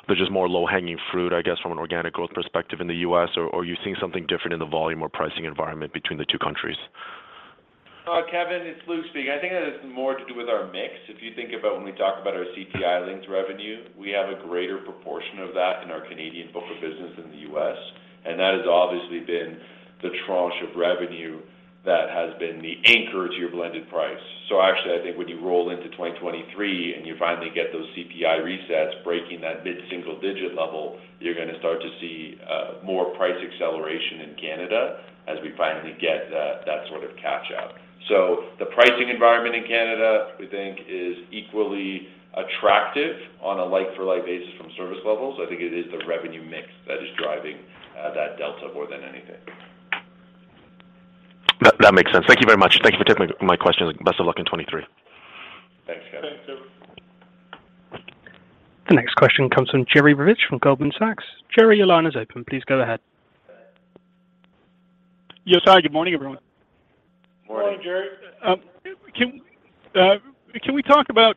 there's just more low-hanging fruit, I guess, from an organic growth perspective in the US, or you're seeing something different in the volume or pricing environment between the two countries? Kevin, it's Luke speaking. I think that has more to do with our mix. If you think about when we talk about our CPI-linked revenue, we have a greater proportion of that in our Canadian book of business in the U.S., that has obviously been the tranche of revenue that has been the anchor to your blended price. Actually, I think when you roll into 2023 and you finally get those CPI resets breaking that mid single-digit level, you're going to start to see more price acceleration in Canada as we finally get that sort of catch-up. The pricing environment in Canada, we think is equally attractive on a like for like basis from service levels. I think it is the revenue mix that is driving that delta more than anything. That makes sense. Thank you very much. Thank you for taking my questions. Best of luck in 2023. Thanks, Kevin. Thank you. The next question comes from Jerry Revich from Goldman Sachs. Jerry, your line is open. Please go ahead. Yes. Hi, good morning, everyone. Morning, Jerry. Can we talk about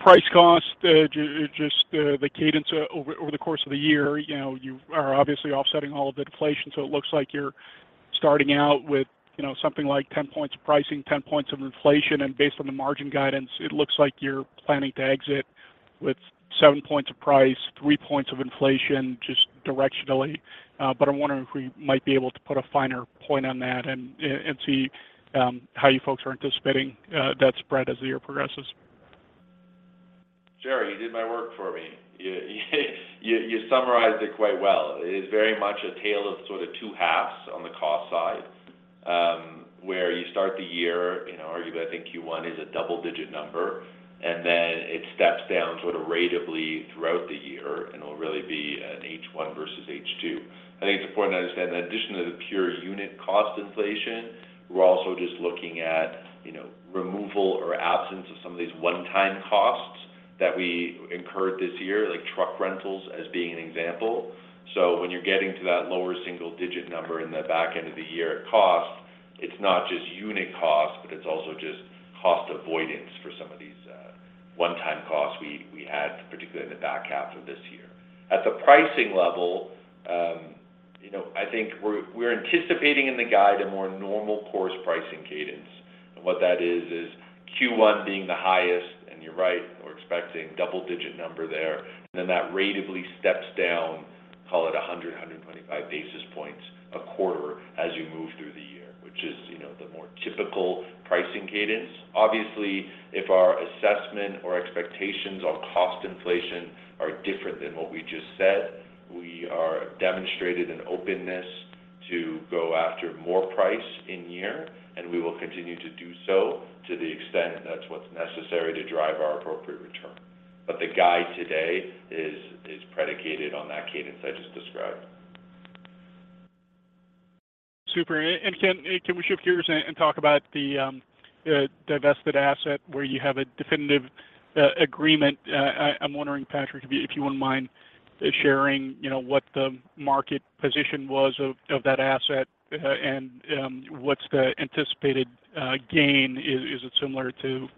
price cost, just the cadence over the course of the year? You know, you are obviously offsetting all of inflation, so it looks like you're starting out with, you know, something like 10 points of pricing, 10 points of inflation. Based on the margin guidance, it looks like you're planning to exit with seven points of price, three points of inflation, just directionally. I'm wondering if we might be able to put a finer point on that and see how you folks are anticipating that spread as the year progresses. Jerry, you did my work for me. You summarized it quite well. It is very much a tale of sort of two halves on the cost side, where you start the year, you know, I think Q1 is a double-digit number, and then it steps down sort of ratably throughout the year, and it'll really be an H1 versus H2. I think it's important to understand in addition to the pure unit cost inflation, we're also just looking at, you know, removal or absence of some of these one-time costs that we incurred this year, like truck rentals as being an example. When you're getting to that lower single-digit number in the back end of the year cost, it's not just unit cost, but it's also just cost avoidance for some of these one-time costs we had, particularly in the back half of this year. At the pricing level, you know, I think we're anticipating in the guide a more normal course pricing cadence. What that is Q1 being the highest, and you're right, we're expecting double-digit number there. Then that ratably steps down, call it 100, 125 basis points a quarter as you move through the year, which is, you know, the more typical pricing cadence. Obviously, if our assessment or expectations on cost inflation are different than what we just said, we are demonstrated an openness to go after more price in year, and we will continue to do so to the extent that's what's necessary to drive our appropriate return. The guide today is predicated on that cadence I just described. Super. Can we shift gears and talk about the divested asset where you have a definitive agreement? I'm wondering, Patrick, if you wouldn't mind sharing, you know, what the market position was of that asset, and what's the anticipated gain? Is it similar to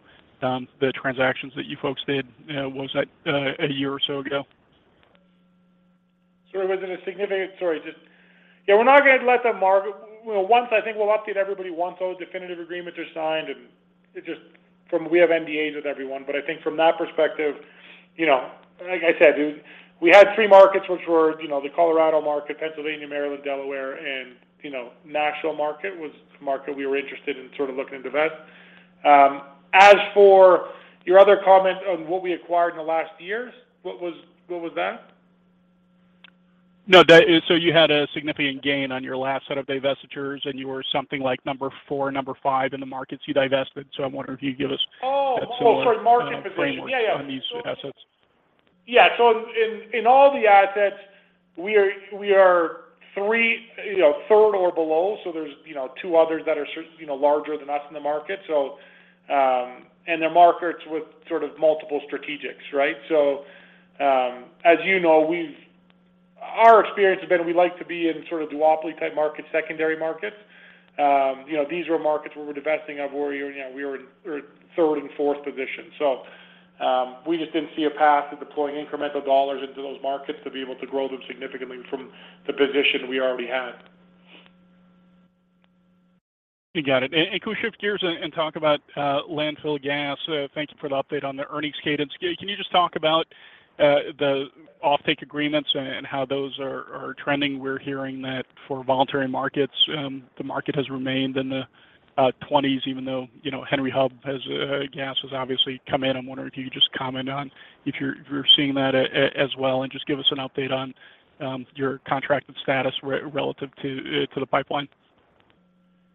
the transactions that you folks did, was that a year or so ago? Sure. Was it a significant. Sorry. Just, yeah, we're not going to let the market. Once, I think we'll update everybody once all the definitive agreements are signed, and it just from. We have NDAs with everyone. I think from that perspective, you know, like I said, we had three markets which were, you know, the Colorado market, Pennsylvania, Maryland, Delaware, and you know, national market was the market we were interested in sort of looking to divest. As for your other comment on what we acquired in the last years, what was that? No, that is, so you had a significant gain on your last set of divestitures, and you were something like number four, number five in the markets you divested. I'm wondering if you could give us- Oh. Oh, sorry. Market position. that similar framework on these assets. Yeah. In, in all the assets we are, we are three, you know, third or below. There's, you know, two others that are certain, you know, larger than us in the market. And they're markets with sort of multiple strategics, right? As you know, our experience has been we like to be in sort of duopoly type markets, secondary markets. You know, these were markets where we're divesting of where, you know, we were in third and fourth position. We just didn't see a path to deploying incremental dollars into those markets to be able to grow them significantly from the position we already had. You got it. Can we shift gears and talk about landfill gas? Thank you for the update on the earnings cadence. Can you just talk about the offtake agreements and how those are trending? We're hearing that for voluntary markets, the market has remained in the 20s, even though, you know, Henry Hub has gas has obviously come in. I'm wondering if you could just comment on if you're seeing that as well, and just give us an update on your contracted status relative to the pipeline.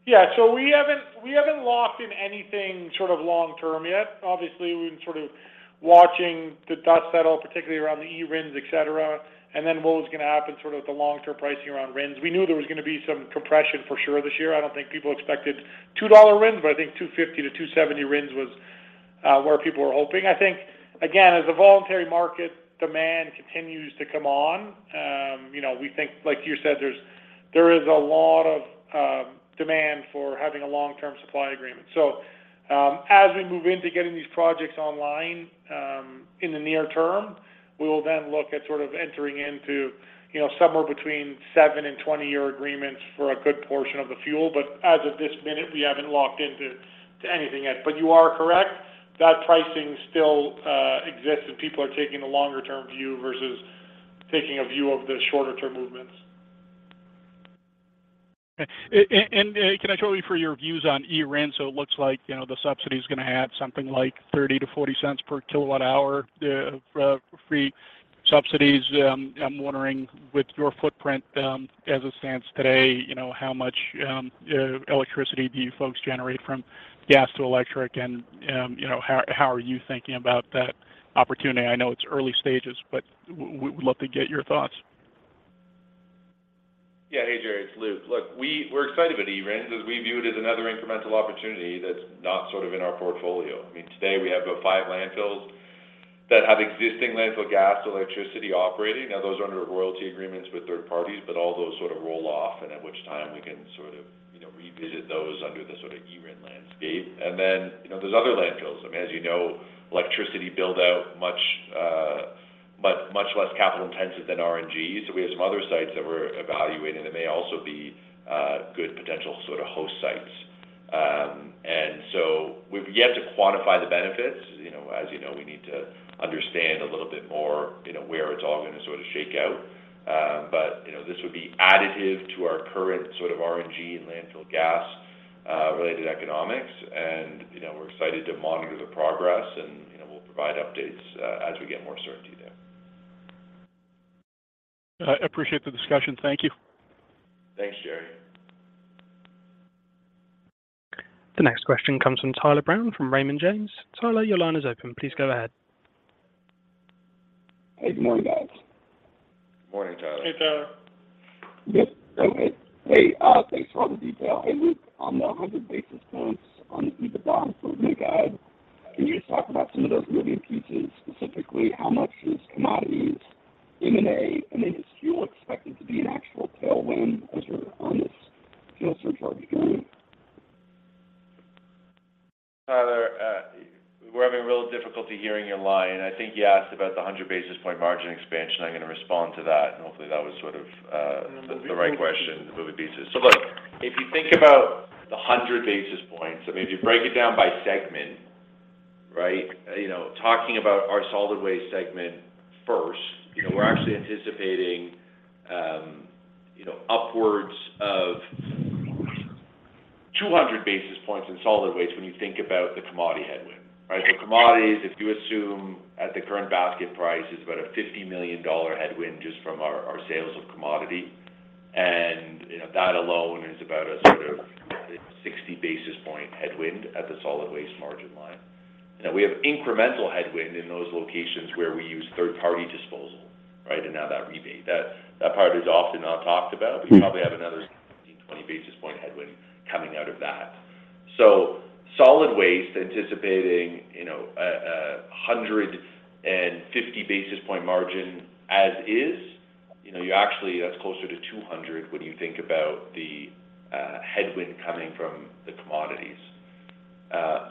We haven't locked in anything sort of long-term yet. Obviously, we've been sort of watching the dust settle, particularly around the eRINs, et cetera, and then what was going to happen sort of the long-term pricing around RINs. We knew there was going to be some compression for sure this year. I don't think people expected $2 RINs, but I think $2.50-$2.70 RINs was where people were hoping. I think, again, as the voluntary market demand continues to come on, you know, we think, like you said, there's, there is a lot of demand for having a long-term supply agreement. As we move into getting these projects online, in the near term, we will then look at sort of entering into, you know, somewhere between seven and 20-year agreements for a good portion of the fuel. As of this minute, we haven't locked into anything yet. You are correct, that pricing still exists and people are taking a longer term view versus Taking a view of the shorter term movements. Okay. Can I show you for your views on eRIN? It looks like, you know, the subsidy is going to add something like $0.30-$0.40 per kilowatt hour, the free subsidies. I'm wondering with your footprint, as it stands today, you know, how much electricity do you folks generate from gas to electric? You know, how are you thinking about that opportunity? I know it's early stages, but we'd love to get your thoughts. Hey, Jerry, it's Luke. We're excited about eRIN because we view it as another incremental opportunity that's not sort of in our portfolio. I mean, today we have about five landfills that have existing landfill gas, electricity operating. Those are under royalty agreements with third parties, all those sort of roll off and at which time we can sort of, you know, revisit those under the sort of eRIN landscape. There's other landfills. I mean, as you know, electricity build out much less capital intensive than RNG. We have some other sites that we're evaluating that may also be good potential sort of host sites. We've yet to quantify the benefits. You know, as you know, we need to understand a little bit more, you know, where it's all going to sort of shake out. You know, this would be additive to our current sort of RNG and landfill gas related economics. You know, we're excited to monitor the progress and, you know, we'll provide updates as we get more certainty there. I appreciate the discussion. Thank you. Thanks, Jerry. The next question comes from Tyler Brown from Raymond James. Tyler, your line is open. Please go ahead. Hey, good morning, guys. Good morning, Tyler. Hey, Tyler. Yes. Okay. Hey, thanks for all the detail. Hey, Luke, on the 100 basis points on EBITDA for new guide, can you just talk about some of those moving pieces, specifically how much is commodities, M&A? I mean, is fuel expected to be an actual tailwind as you're on this fuel surcharge journey? Tyler, we're having real difficulty hearing your line. I think you asked about the 100 basis point margin expansion. I'm going to respond to that, and hopefully that was sort of the right question, the moving pieces. Look, if you think about the 100 basis points, I mean, if you break it down by segment, right? You know, talking about our solid waste segment first, you know, we're actually anticipating, you know, upwards of 200 basis points in solid waste when you think about the commodity headwind, right? Commodities, if you assume at the current basket price, is about a $50 million headwind just from our sales of commodity. You know, that alone is about a sort of 60 basis point headwind at the solid waste margin line. Now we have incremental headwind in those locations where we use third-party disposal, right? Now that rebate, that part is often not talked about. We probably have another 20 basis point headwind coming out of that. Solid waste anticipating, you know, a 150 basis point margin as is. You know, you actually. That's closer to 200 when you think about the headwind coming from the commodities.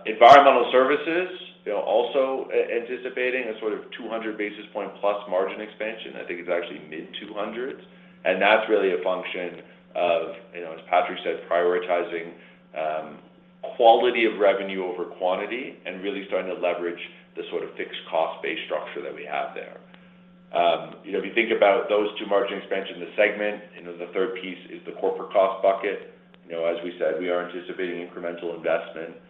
Environmental services, you know, also anticipating a sort of 200 basis point plus margin expansion. I think it's actually mid-200s. That's really a function of, you know, as Patrick said, prioritizing quality of revenue over quantity and really starting to leverage the sort of fixed cost-based structure that we have there. You know, if you think about those two margin expansion, the segment, you know, the third piece is the corporate cost bucket. As we said, we are anticipating incremental investment,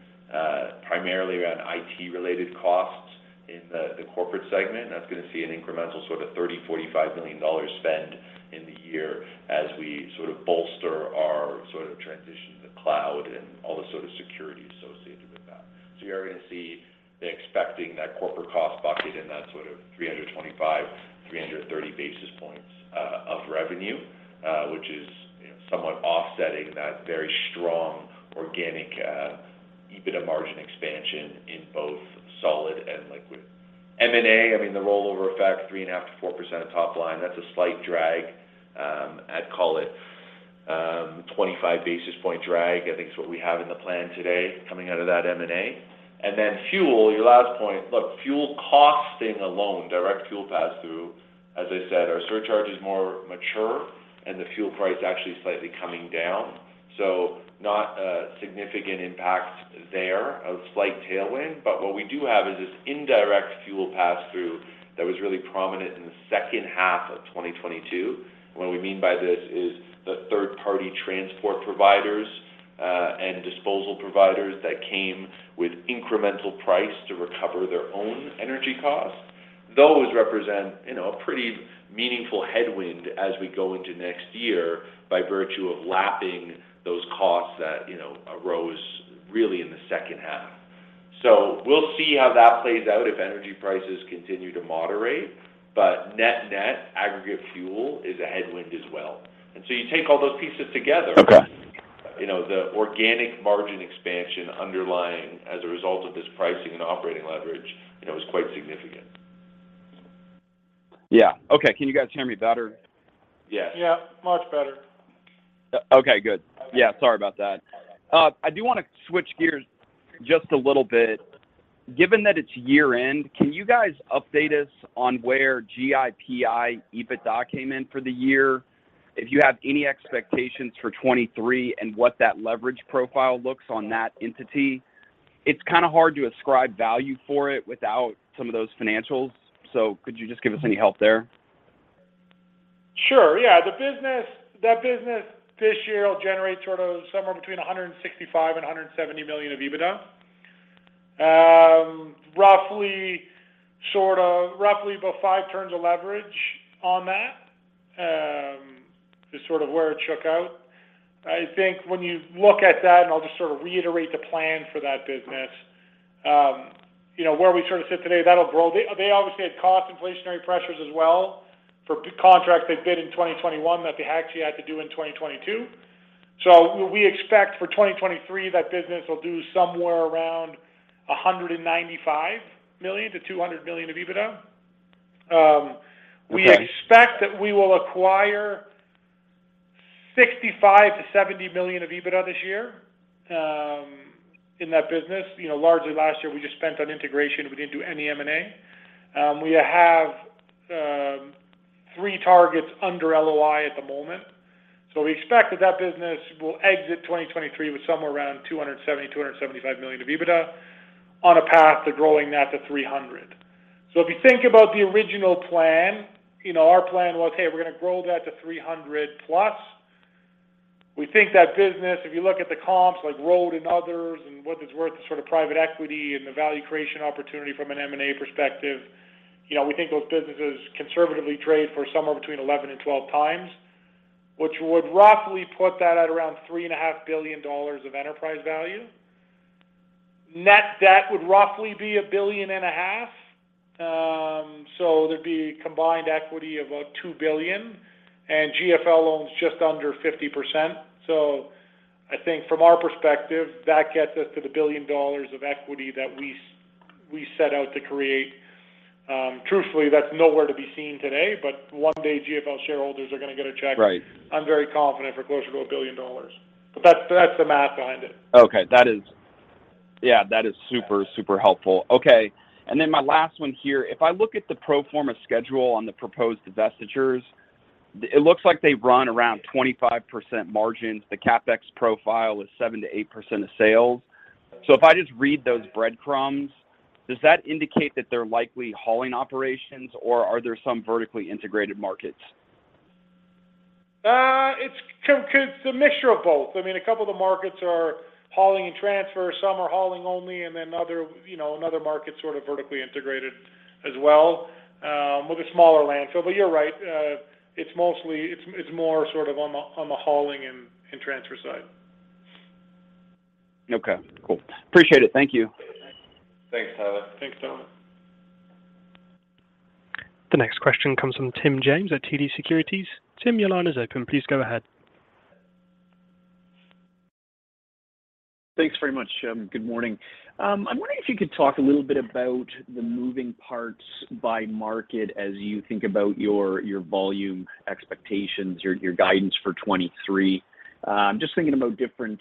primarily around IT-related costs in the corporate segment. That's going to see an incremental sort of $30 million-$45 million spend in the year as we sort of bolster our sort of transition to the cloud and all the sort of security associated with that. You're going to see expecting that corporate cost bucket in that sort of 325-330 basis points of revenue, which is, you know, somewhat offsetting that very strong organic EBITDA margin expansion in both solid and liquid. M&A, I mean, the rollover effect, 3.5%-4% of top line, that's a slight drag. I'd call it a 25 basis point drag, I think is what we have in the plan today coming out of that M&A. Fuel, your last point. Look, fuel costing alone, direct fuel pass through, as I said, our surcharge is more mature and the fuel price actually slightly coming down. Not a significant impact there, a slight tailwind. What we do have is this indirect fuel pass through that was really prominent in the second half of 2022. What we mean by this is the third party transport providers and disposal providers that came with incremental price to recover their own energy costs. Those represent, you know, a pretty meaningful headwind as we go into next year by virtue of lapping those costs that, you know, arose really in the second half. We'll see how that plays out if energy prices continue to moderate. Net-net aggregate fuel is a headwind as well. You take all those pieces together. Okay. You know, the organic margin expansion underlying as a result of this pricing and operating leverage, you know, is quite significant. Yeah. Okay. Can you guys hear me better? Yeah. Much better. Okay, good. Sorry about that. I do want to switch gears just a little bit. Given that it's year-end, can you guys update us on where GIPI EBITDA came in for the year? If you have any expectations for 2023 and what that leverage profile looks on that entity, it's kind of hard to ascribe value for it without some of those financials. Could you just give us any help there? Sure. Yeah. The business that business this year will generate somewhere between $165 million and $170 million of EBITDA. Roughly five turns of leverage on that is where it shook out. I think when you look at that, and I'll just reiterate the plan for that business, you know, where we sit today, that'll grow. They, they obviously had cost inflationary pressures as well for contracts they bid in 2021 that they actually had to do in 2022. We expect for 2023, that business will do somewhere around $195 million-$200 million of EBITDA. Okay. We expect that we will acquire $65 million-$70 million of EBITDA this year in that business. You know, largely last year, we just spent on integration. We didn't do any M&A. We have three targets under LOI at the moment. We expect that that business will exit 2023 with somewhere around $270 million-$275 million of EBITDA on a path to growing that to $300 million. If you think about the original plan, you know, our plan was, "Hey, we're gonna grow that to 300+." We think that business, if you look at the comps like Road and others, and what it's worth to sort of private equity and the value creation opportunity from an M&A perspective, you know, we think those businesses conservatively trade for somewhere between 11x and 12x, which would roughly put that at around $3.5 billion of enterprise value. Net debt would roughly be $1.5 billion. So there'd be combined equity of about $2 billion, and GFL owns just under 50%. I think from our perspective, that gets us to the $1 billion of equity that we set out to create. Truthfully, that's nowhere to be seen today, but one day, GFL shareholders are gonna get a check. Right. I'm very confident for closer to $1 billion. That's the math behind it. Okay. Yeah, that is super helpful. Okay. My last one here. If I look at the pro forma schedule on the proposed divestitures, it looks like they run around 25% margins. The CapEx profile is 7%-8% of sales. If I just read those breadcrumbs, does that indicate that they're likely hauling operations, or are there some vertically integrated markets? It's a mixture of both. I mean, a couple of the markets are hauling and transfer, some are hauling only, and then other, you know, another market sort of vertically integrated as well, with a smaller landfill. You're right. It's mostly it's more sort of on the hauling and transfer side. Okay, cool. Appreciate it. Thank you. Thanks, Tyler. Thanks, Tyler. The next question comes from Tim James at TD Securities. Tim, your line is open. Please go ahead. Thanks very much. Good morning. I'm wondering if you could talk a little bit about the moving parts by market as you think about your volume expectations, your guidance for 23. Just thinking about different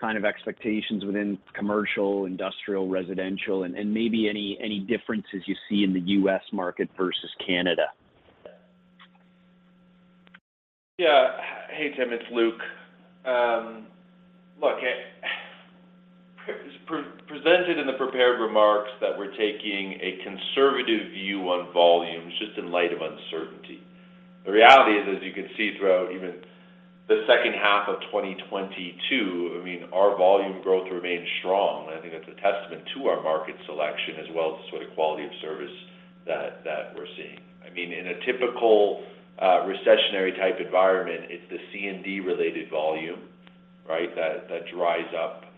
kind of expectations within commercial, industrial, residential, and maybe any differences you see in the U.S. market versus Canada. Yeah. Hey, Tim. It's Luke. look, presented in the prepared remarks that we're taking a conservative view on volumes just in light of uncertainty. The reality is, as you can see throughout even the second half of 2022, I mean, our volume growth remained strong. I think that's a testament to our market selection as well as the sort of quality of service that we're seeing. I mean, in a typical, recessionary type environment, it's the C&D-related volume, right? That dries up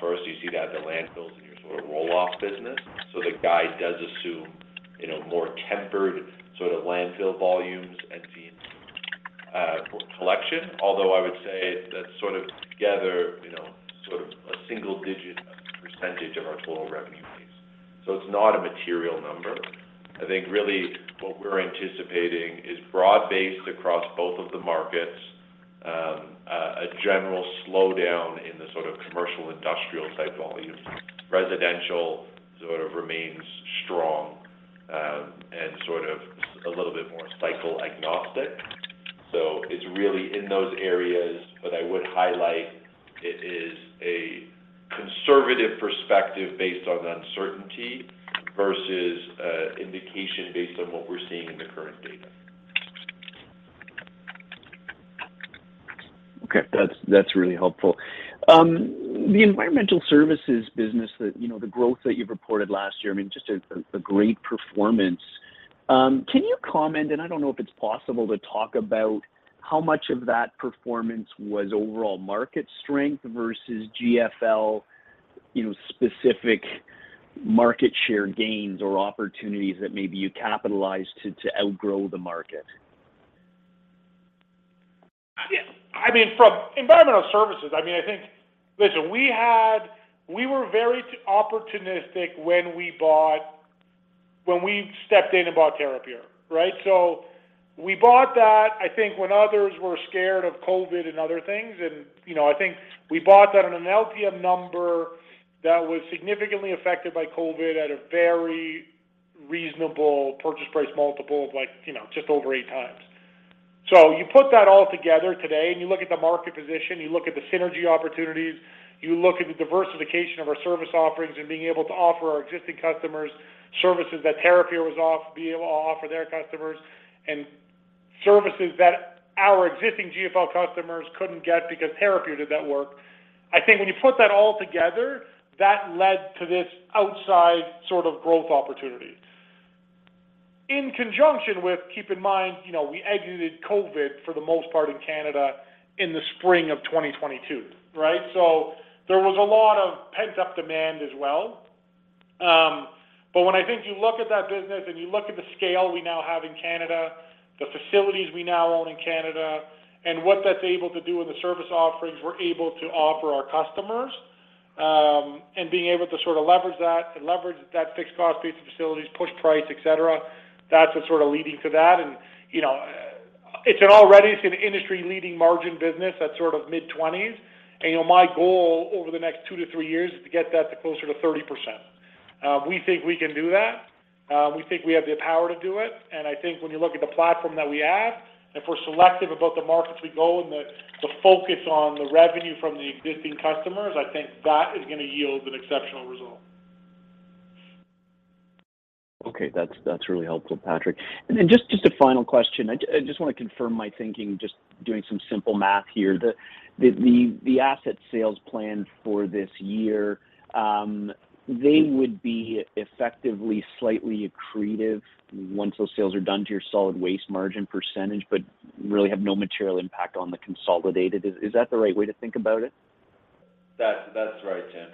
first. You see that at the landfills in your sort of roll-off business. The guide does assume, you know, more tempered sort of landfill volumes and the collection. Although I would say that sort of together, you know, sort of a single-digit percentage of our total revenue base. It's not a material number. I think really what we're anticipating is broad-based across both of the markets, a general slowdown in the sort of commercial industrial type volumes. Residential sort of remains strong, and a little bit more cycle agnostic. It's really in those areas, but I would highlight it is a conservative perspective based on uncertainty versus indication based on what we're seeing in the current data. Okay. That's really helpful. The environmental services business that, you know, the growth that you've reported last year, I mean, just a great performance. Can you comment, and I don't know if it's possible to talk about how much of that performance was overall market strength versus GFL, you know, specific market share gains or opportunities that maybe you capitalized to outgrow the market? Yeah. I mean, from environmental services, I mean, I think, listen, we were very opportunistic when we stepped in and bought Terrapure, right? We bought that, I think, when others were scared of COVID and other things. You know, I think we bought that on an LTM number that was significantly affected by COVID at a very reasonable purchase price multiple of like, you know, just over 8x. You put that all together today, and you look at the market position, you look at the synergy opportunities, you look at the diversification of our service offerings and being able to offer our existing customers services that Terrapure was off, be able to offer their customers, and services that our existing GFL customers couldn't get because Terrapure did that work. I think when you put that all together, that led to this outside sort of growth opportunity. In conjunction with, keep in mind, you know, we exited COVID for the most part in Canada in the spring of 2022, right? There was a lot of pent-up demand as well. When I think you look at that business and you look at the scale we now have in Canada, the facilities we now own in Canada, and what that's able to do in the service offerings we're able to offer our customers, and being able to sort of leverage that, to leverage that fixed cost base of facilities, push price, etc. That's what's sort of leading to that. You know, it's an already, it's an industry-leading margin business that's sort of mid-twenties. You know, my goal over the next 2 to 3 years is to get that to closer to 30%. We think we can do that. We think we have the power to do it. I think when you look at the platform that we have, and if we're selective about the markets we go and the focus on the revenue from the existing customers, I think that is gonna yield an exceptional result. Okay. That's really helpful, Patrick. Just a final question. I just wanna confirm my thinking just doing some simple math here. The asset sales plan for this year, they would be effectively slightly accretive once those sales are done to your solid waste margin percentage, but really have no material impact on the consolidated. Is that the right way to think about it? That's right, Tim.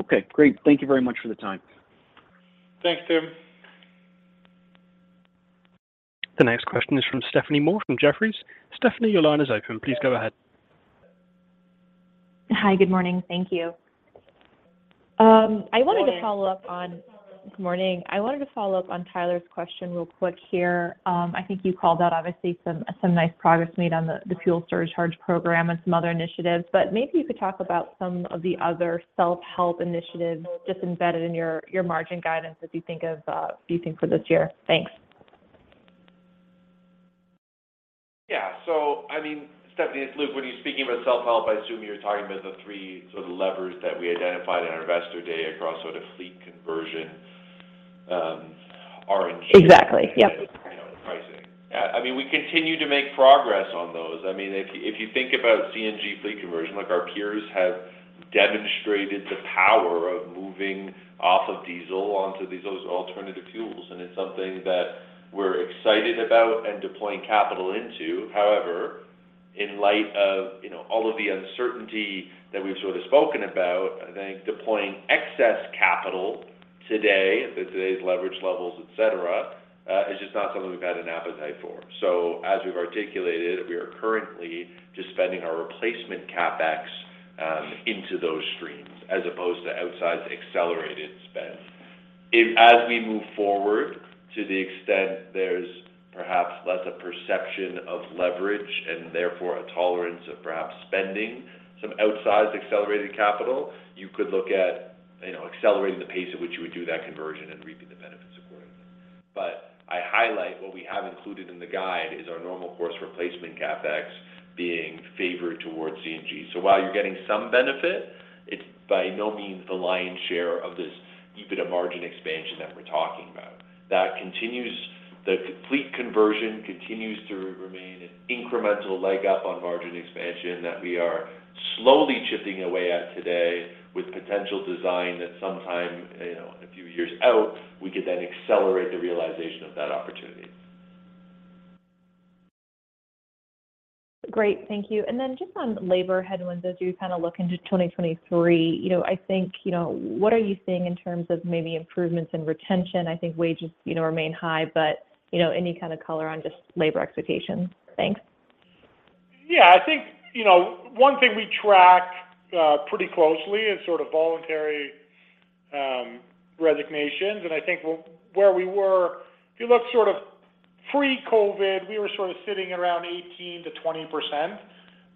Okay. Great. Thank you very much for the time. Thanks, Tim. The next question is from Stephanie Moore from Jefferies. Stephanie, your line is open. Please go ahead. Hi. Good morning. Thank you. I wanted to follow up. Morning. Good morning. I wanted to follow up on Tyler's question real quick here. I think you called out obviously some nice progress made on the fuel surcharge program and some other initiatives, but maybe you could talk about some of the other self-help initiatives just embedded in your margin guidance as you think for this year? Thanks. Yeah. I mean, Stephanie, it's Luke. When you're speaking about self-help, I assume you're talking about the three sort of levers that we identified in our investor day across sort of fleet conversion, RNG- Exactly. Yep. You know, pricing. I mean, we continue to make progress on those. I mean, if you think about CNG fleet conversion, like our peers have demonstrated the power of moving off of diesel onto these, those alternative fuels, and it's something that we're excited about and deploying capital into. However, in light of, you know, all of the uncertainty that we've sort of spoken about, I think deploying excess capital today with today's leverage levels, etc., is just not something we've had an appetite for. As we've articulated, we are currently just spending our replacement CapEx into those streams as opposed to outsized accelerated spend. If as we move forward to the extent there's perhaps less a perception of leverage and therefore a tolerance of perhaps spending some outsized accelerated capital, you could look at, you know, accelerating the pace at which you would do that conversion and reaping the benefits accordingly. I highlight what we have included in the guide is our normal course replacement CapEx being favored towards CNG. While you're getting some benefit, it's by no means the lion's share of this EBITDA margin expansion that we're talking about. The complete conversion continues to remain an incremental leg up on margin expansion that we are slowly chipping away at today with potential design that sometime, you know, a few years out, we could then accelerate the realization of that opportunity. Great. Thank you. Just on labor headwinds, as you kind of look into 2023, you know, I think, you know, what are you seeing in terms of maybe improvements in retention? I think wages, you know, remain high, but, you know, any kind of color on just labor expectations. Thanks. Yeah. I think, you know, one thing we tracked pretty closely is sort of voluntary resignations. I think where we were, if you look sort of pre-COVID, we were sort of sitting around 18%-20%.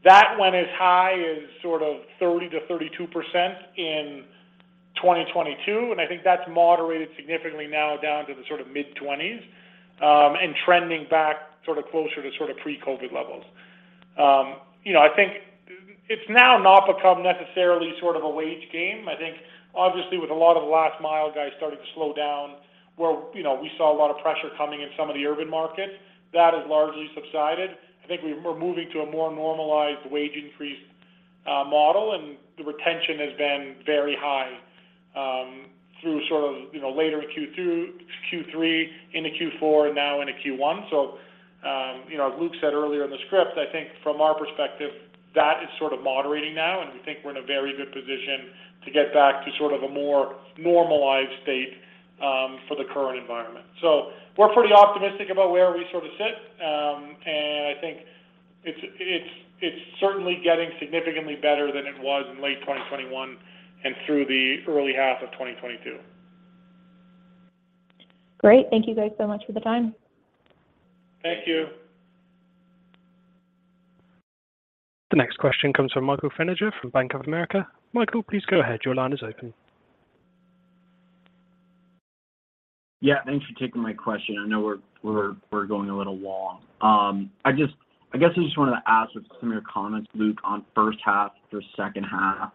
That went as high as sort of 30%-32% in 2022, and I think that's moderated significantly now down to the sort of mid-20s, and trending back sort of closer to sort of pre-COVID levels. You know, I think it's now not become necessarily sort of a wage game. I think obviously with a lot of the last mile guys starting to slow down where, you know, we saw a lot of pressure coming in some of the urban markets, that has largely subsided. I think we're moving to a more normalized wage increase model. The retention has been very high through sort of, you know, later in Q2, Q3, into Q4, and now into Q1. You know, as Luke said earlier in the script, I think from our perspective, that is sort of moderating now. We think we're in a very good position to get back to sort of a more normalized state for the current environment. We're pretty optimistic about where we sort of sit. I think it's certainly getting significantly better than it was in late 2021 and through the early half of 2022. Great. Thank you guys so much for the time. Thank you. The next question comes from Michael Feniger from Bank of America. Michael, please go ahead. Your line is open. Yeah, thanks for taking my question. I know we're going a little long. I guess I just wanted to ask for some of your comments, Luke, on first half for second half.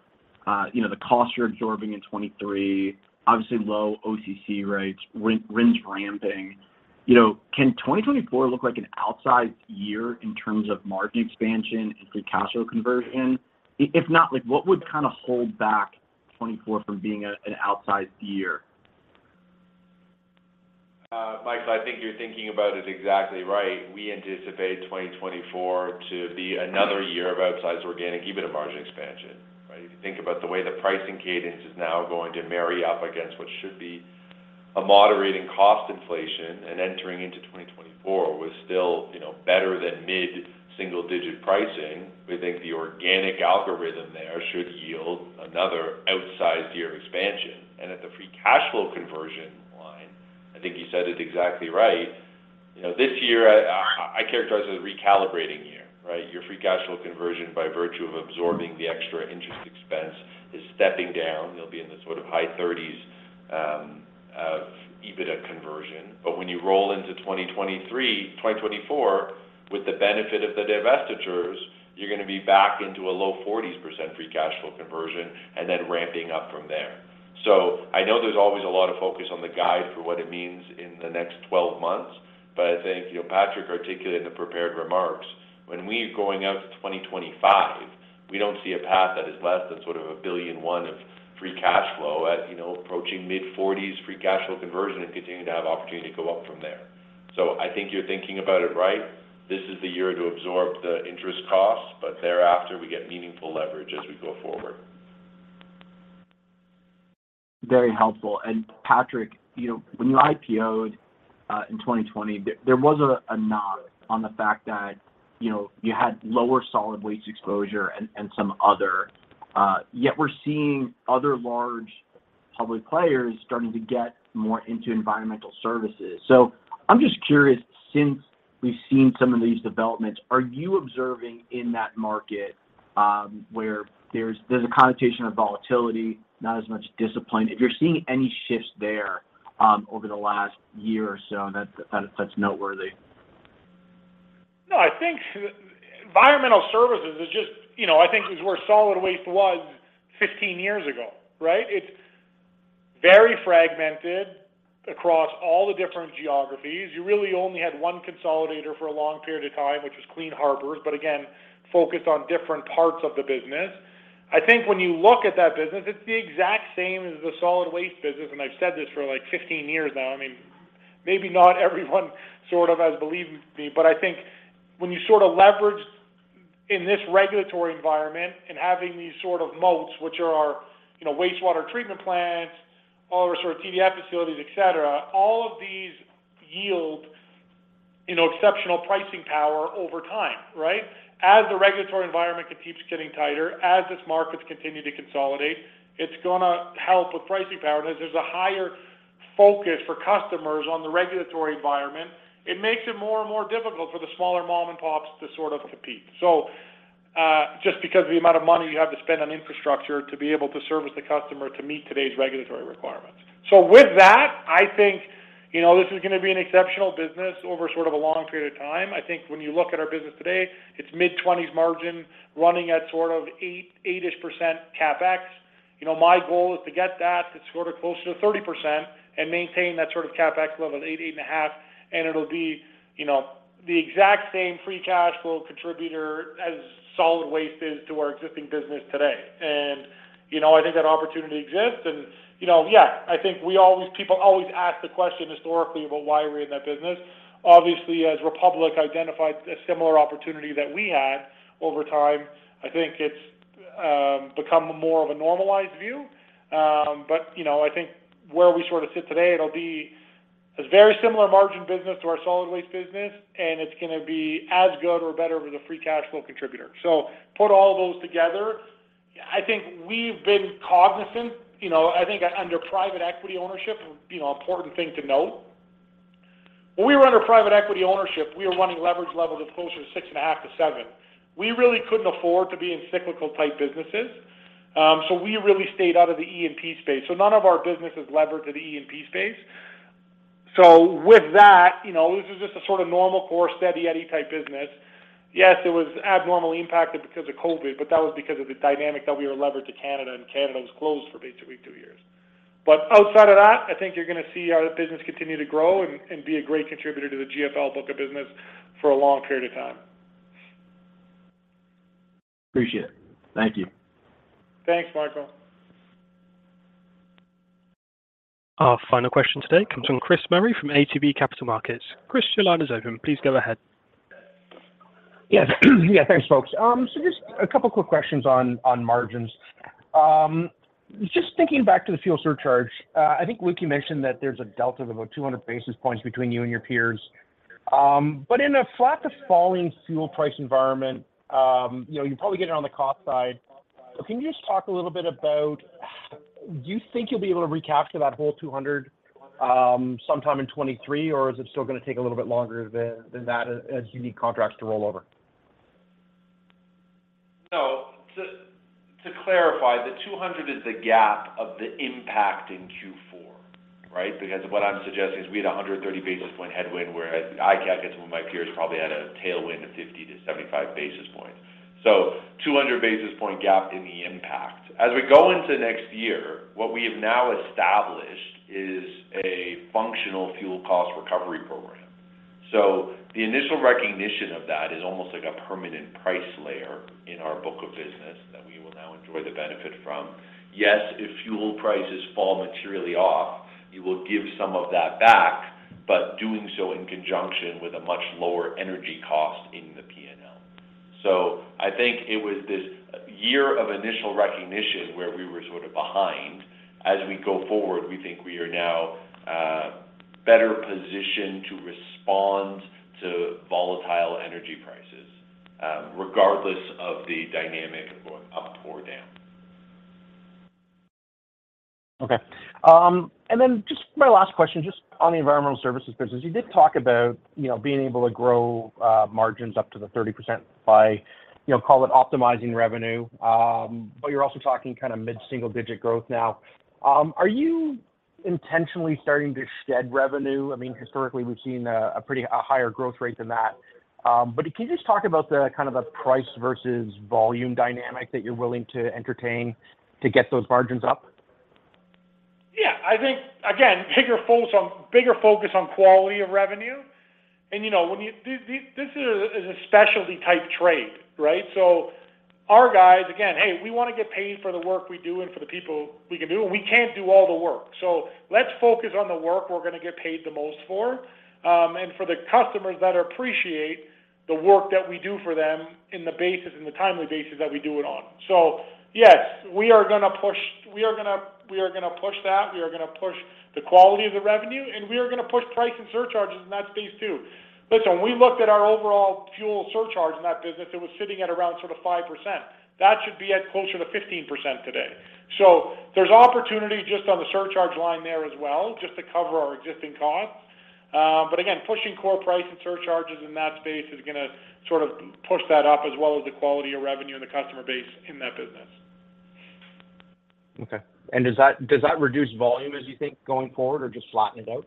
you know, the cost you're absorbing in 2023, obviously low OCC rates, RINs ramping. You know, can 2024 look like an outsized year in terms of margin expansion and free cash flow conversion? If not, like, what would kind of hold back 2024 from being an outsized year? Michael, I think you're thinking about it exactly right. We anticipate 2024 to be another year of outsized organic, even a margin expansion, right? If you think about the way the pricing cadence is now going to marry up against what should be a moderating cost inflation and entering into 2024 with still, you know, better than mid-single digit pricing, we think the organic algorithm there should yield another outsized year expansion. At the free cash flow conversion line, I think you said it exactly right. You know, this year I characterize it as a recalibrating year, right? Your free cash flow conversion by virtue of absorbing the extra interest expense is stepping down. You'll be in the sort of high 30s EBITDA conversion. When you roll into 2023-2024 with the benefit of the divestitures, you're gonna be back into a low 40s% free cash flow conversion and then ramping up from there. I know there's always a lot of focus on the guide for what it means in the next 12 months. I think, you know, Patrick articulated in the prepared remarks, when we are going out to 2025, we don't see a path that is less than sort of $1.1 billion of free cash flow at, you know, approaching mid-40s free cash flow conversion and continuing to have opportunity to go up from there. I think you're thinking about it right. This is the year to absorb the interest costs, but thereafter we get meaningful leverage as we go forward. Very helpful. Patrick, you know, when you IPO'd, in 2020, there was a knock on the fact that, you know, you had lower solid waste exposure and some other, yet we're seeing other large public players starting to get more into environmental services. I'm just curious, since we've seen some of these developments, are you observing in that market, where there's a connotation of volatility, not as much discipline? If you're seeing any shifts there, over the last year or so that's noteworthy. No, I think environmental services is just, you know, I think is where solid waste was 15 years ago, right? It's very fragmented across all the different geographies. You really only had one consolidator for a long period of time, which was Clean Harbors, but again, focused on different parts of the business. I think when you look at that business, it's the exact same as the solid waste business, and I've said this for like 15 years now. I mean, maybe not everyone sort of has believed me, but I think when you sort of leverage in this regulatory environment and having these sort of moats, which are, you know, wastewater treatment plants, all of our sort of TDF facilities, et cetera, all of these yield, you know, exceptional pricing power over time, right? As the regulatory environment keeps getting tighter, as its markets continue to consolidate, it's gonna help with pricing power. As there's a higher focus for customers on the regulatory environment, it makes it more and more difficult for the smaller mom and pops to sort of compete. Just because of the amount of money you have to spend on infrastructure to be able to service the customer to meet today's regulatory requirements. With that, I think, you know, this is gonna be an exceptional business over sort of a long period of time. I think when you look at our business today, it's mid-20s margin running at sort of 8-ish% CapEx. You know, my goal is to get that to sort of closer to 30% and maintain that sort of CapEx level of 8.5, it'll be, you know, the exact same free cash flow contributor as solid waste is to our existing business today. You know, I think that opportunity exists. You know, yeah, I think people always ask the question historically about why we're in that business. Obviously, as Republic identified a similar opportunity that we had over time, I think it's become more of a normalized view. But, you know, I think where we sort of sit today, it'll be a very similar margin business to our solid waste business, it's gonna be as good or better with a free cash flow contributor. Put all those together. I think we've been cognizant, you know, I think under private equity ownership, you know, important thing to note. When we were under private equity ownership, we were running leverage levels of closer to 6.5-7. We really couldn't afford to be in cyclical type businesses, we really stayed out of the E&P space. None of our business is levered to the E&P space. With that, you know, this is just a sort of normal core steady Eddie type business. Yes, it was abnormally impacted because of COVID, but that was because of the dynamic that we were levered to Canada and Canada was closed for basically two years. Outside of that, I think you're gonna see our business continue to grow and be a great contributor to the GFL book of business for a long period of time. Appreciate it. Thank you. Thanks, Michael. Our final question today comes from Chris Murray from ATB Capital Markets. Chris, your line is open. Please go ahead. Yes. Yeah. Thanks, folks. Just a couple quick questions on margins. Just thinking back to the fuel surcharge, I think Luke, you mentioned that there's a delta of about 200 basis points between you and your peers. But in a flat to falling fuel price environment, you know, you probably get it on the cost side. Can you just talk a little bit about. Do you think you'll be able to recapture that whole $200 sometime in 2023? Or is it still gonna take a little bit longer than that as you need contracts to roll over? No. To clarify, the 200 is the gap of the impact in Q4, right? What I'm suggesting is we had a 130 basis point headwind, where I calculate some of my peers probably had a tailwind of 50-75 basis points. 200 basis point gap in the impact. As we go into next year, what we have now established is a functional fuel cost recovery program. The initial recognition of that is almost like a permanent price layer in our book of business that we will now enjoy the benefit from. Yes, if fuel prices fall materially off, you will give some of that back, but doing so in conjunction with a much lower energy cost in the P&L. I think it was this year of initial recognition where we were sort of behind. As we go forward, we think we are now, better positioned to respond to volatile energy prices, regardless of the dynamic going up or down. Okay. Just my last question, just on the environmental services business, you did talk about, you know, being able to grow margins up to the 30% by, you know, call it optimizing revenue. You're also talking kind of mid-single digit growth now. Are you intentionally starting to shed revenue? I mean, historically, we've seen a higher growth rate than that. Can you just talk about the kind of the price versus volume dynamic that you're willing to entertain to get those margins up? Yeah. I think, again, bigger focus on quality of revenue. You know, when this is a specialty type trade, right? Our guys, again, "Hey, we wanna get paid for the work we do and for the people we can do, and we can't do all the work. Let's focus on the work we're gonna get paid the most for, and for the customers that appreciate the work that we do for them in the timely basis that we do it on." Yes, we are gonna push that. We are gonna push the quality of the revenue, and we are gonna push price and surcharges in that space, too. Listen, we looked at our overall fuel surcharge in that business. It was sitting at around sort of 5%. That should be at closer to 15% today. There's opportunity just on the surcharge line there as well, just to cover our existing costs. Again, pushing core price and surcharges in that space is gonna sort of push that up as well as the quality of revenue and the customer base in that business. Okay. Does that reduce volume as you think going forward or just flatten it out?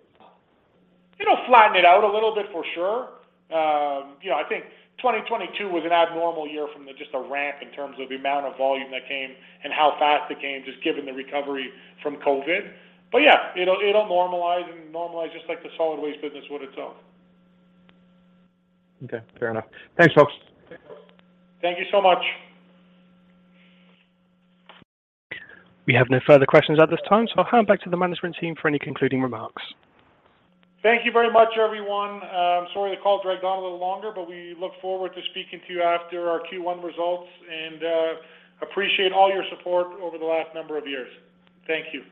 It'll flatten it out a little bit, for sure. You know, I think 2022 was an abnormal year, just the ramp in terms of the amount of volume that came and how fast it came, just given the recovery from COVID. Yeah, it'll normalize and normalize just like the solid waste business would itself. Okay. Fair enough. Thanks, folks. Thank you so much. We have no further questions at this time. I'll hand back to the management team for any concluding remarks. Thank you very much, everyone. Sorry the call dragged on a little longer, but we look forward to speaking to you after our Q1 results and appreciate all your support over the last number of years. Thank you.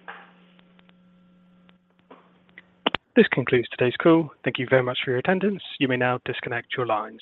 This concludes today's call. Thank you very much for your attendance. You may now disconnect your lines.